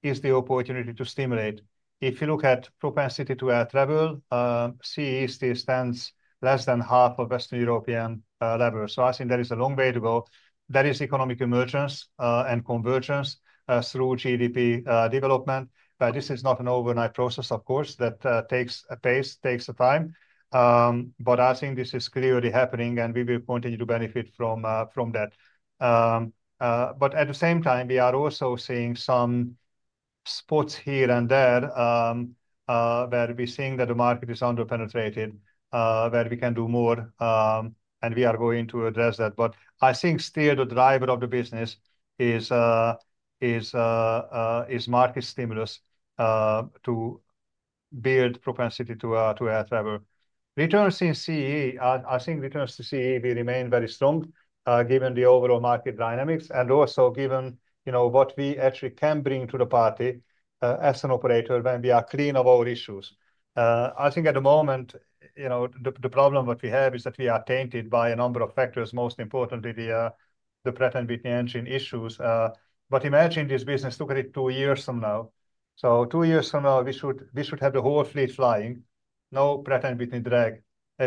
the opportunity to stimulate. If you look at propensity to air travel, CEE still stands less than half of Western European levels. I think there is a long way to go. There is economic emergence and convergence through GDP development. This is not an overnight process, of course, that takes a pace, takes a time. I think this is clearly happening and we will continue to benefit from that. At the same time, we are also seeing some spots here and there where we think that the market is underpenetrated, where we can do more, and we are going to address that. I think still the driver of the business is market stimulus to build propensity to air travel. Returns in CEE, I think returns to CEE will remain very strong given the overall market dynamics and also given, you know, what we actually can bring to the party as an operator when we are clean of our issues. At the moment, you know, the problem that we have is that we are tainted by a number of factors, most importantly the Pratt & Whitney engine issues. Imagine this business looking at two years from now. Two years from now, we should have the whole fleet flying, no Pratt & Whitney drag.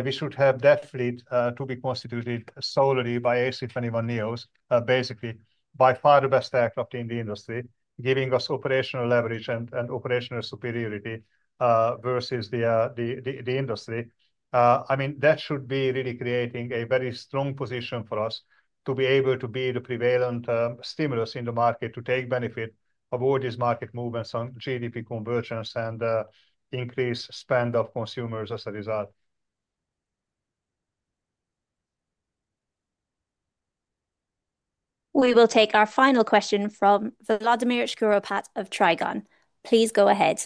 We should have that fleet to be constituted solely by A321neos, basically by far the best act of the industry, giving us operational leverage and operational superiority versus the industry. I mean, that should be really creating a very strong position for us to be able to be the prevailing stimulus in the market to take benefit of all these market movements on GDP convergence and increase spend of consumers as a result. We will take our final question from Volodymyr Shkuropat of Trigon. Please go ahead.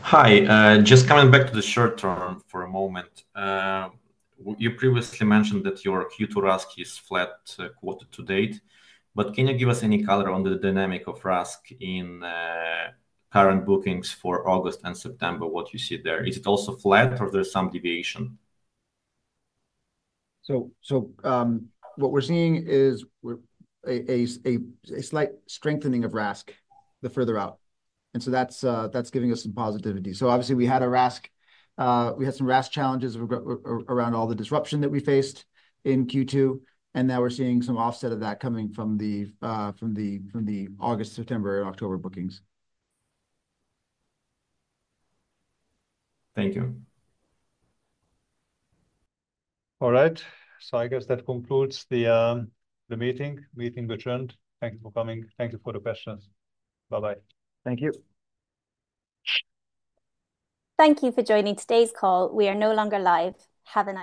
Hi, just coming back to the short-term for a moment. You previously mentioned that your Q2 RASK is flat quarter-to-date, but can you give us any color on the dynamic of RASK in current bookings for August and September, what you see there? Is it also flat or is there some deviation? We're seeing a slight strengthening of RASK the further out, and that's giving us some positivity. Obviously, we had RASK challenges around all the disruption that we faced in Q2, and now we're seeing some offset of that coming from the August, September, and October bookings. Thank you. All right. I guess that concludes the meeting. Thank you for coming. Thank you for the questions. Bye-bye. Thank you. Thank you for joining today's call. We are no longer live. Have a nice day.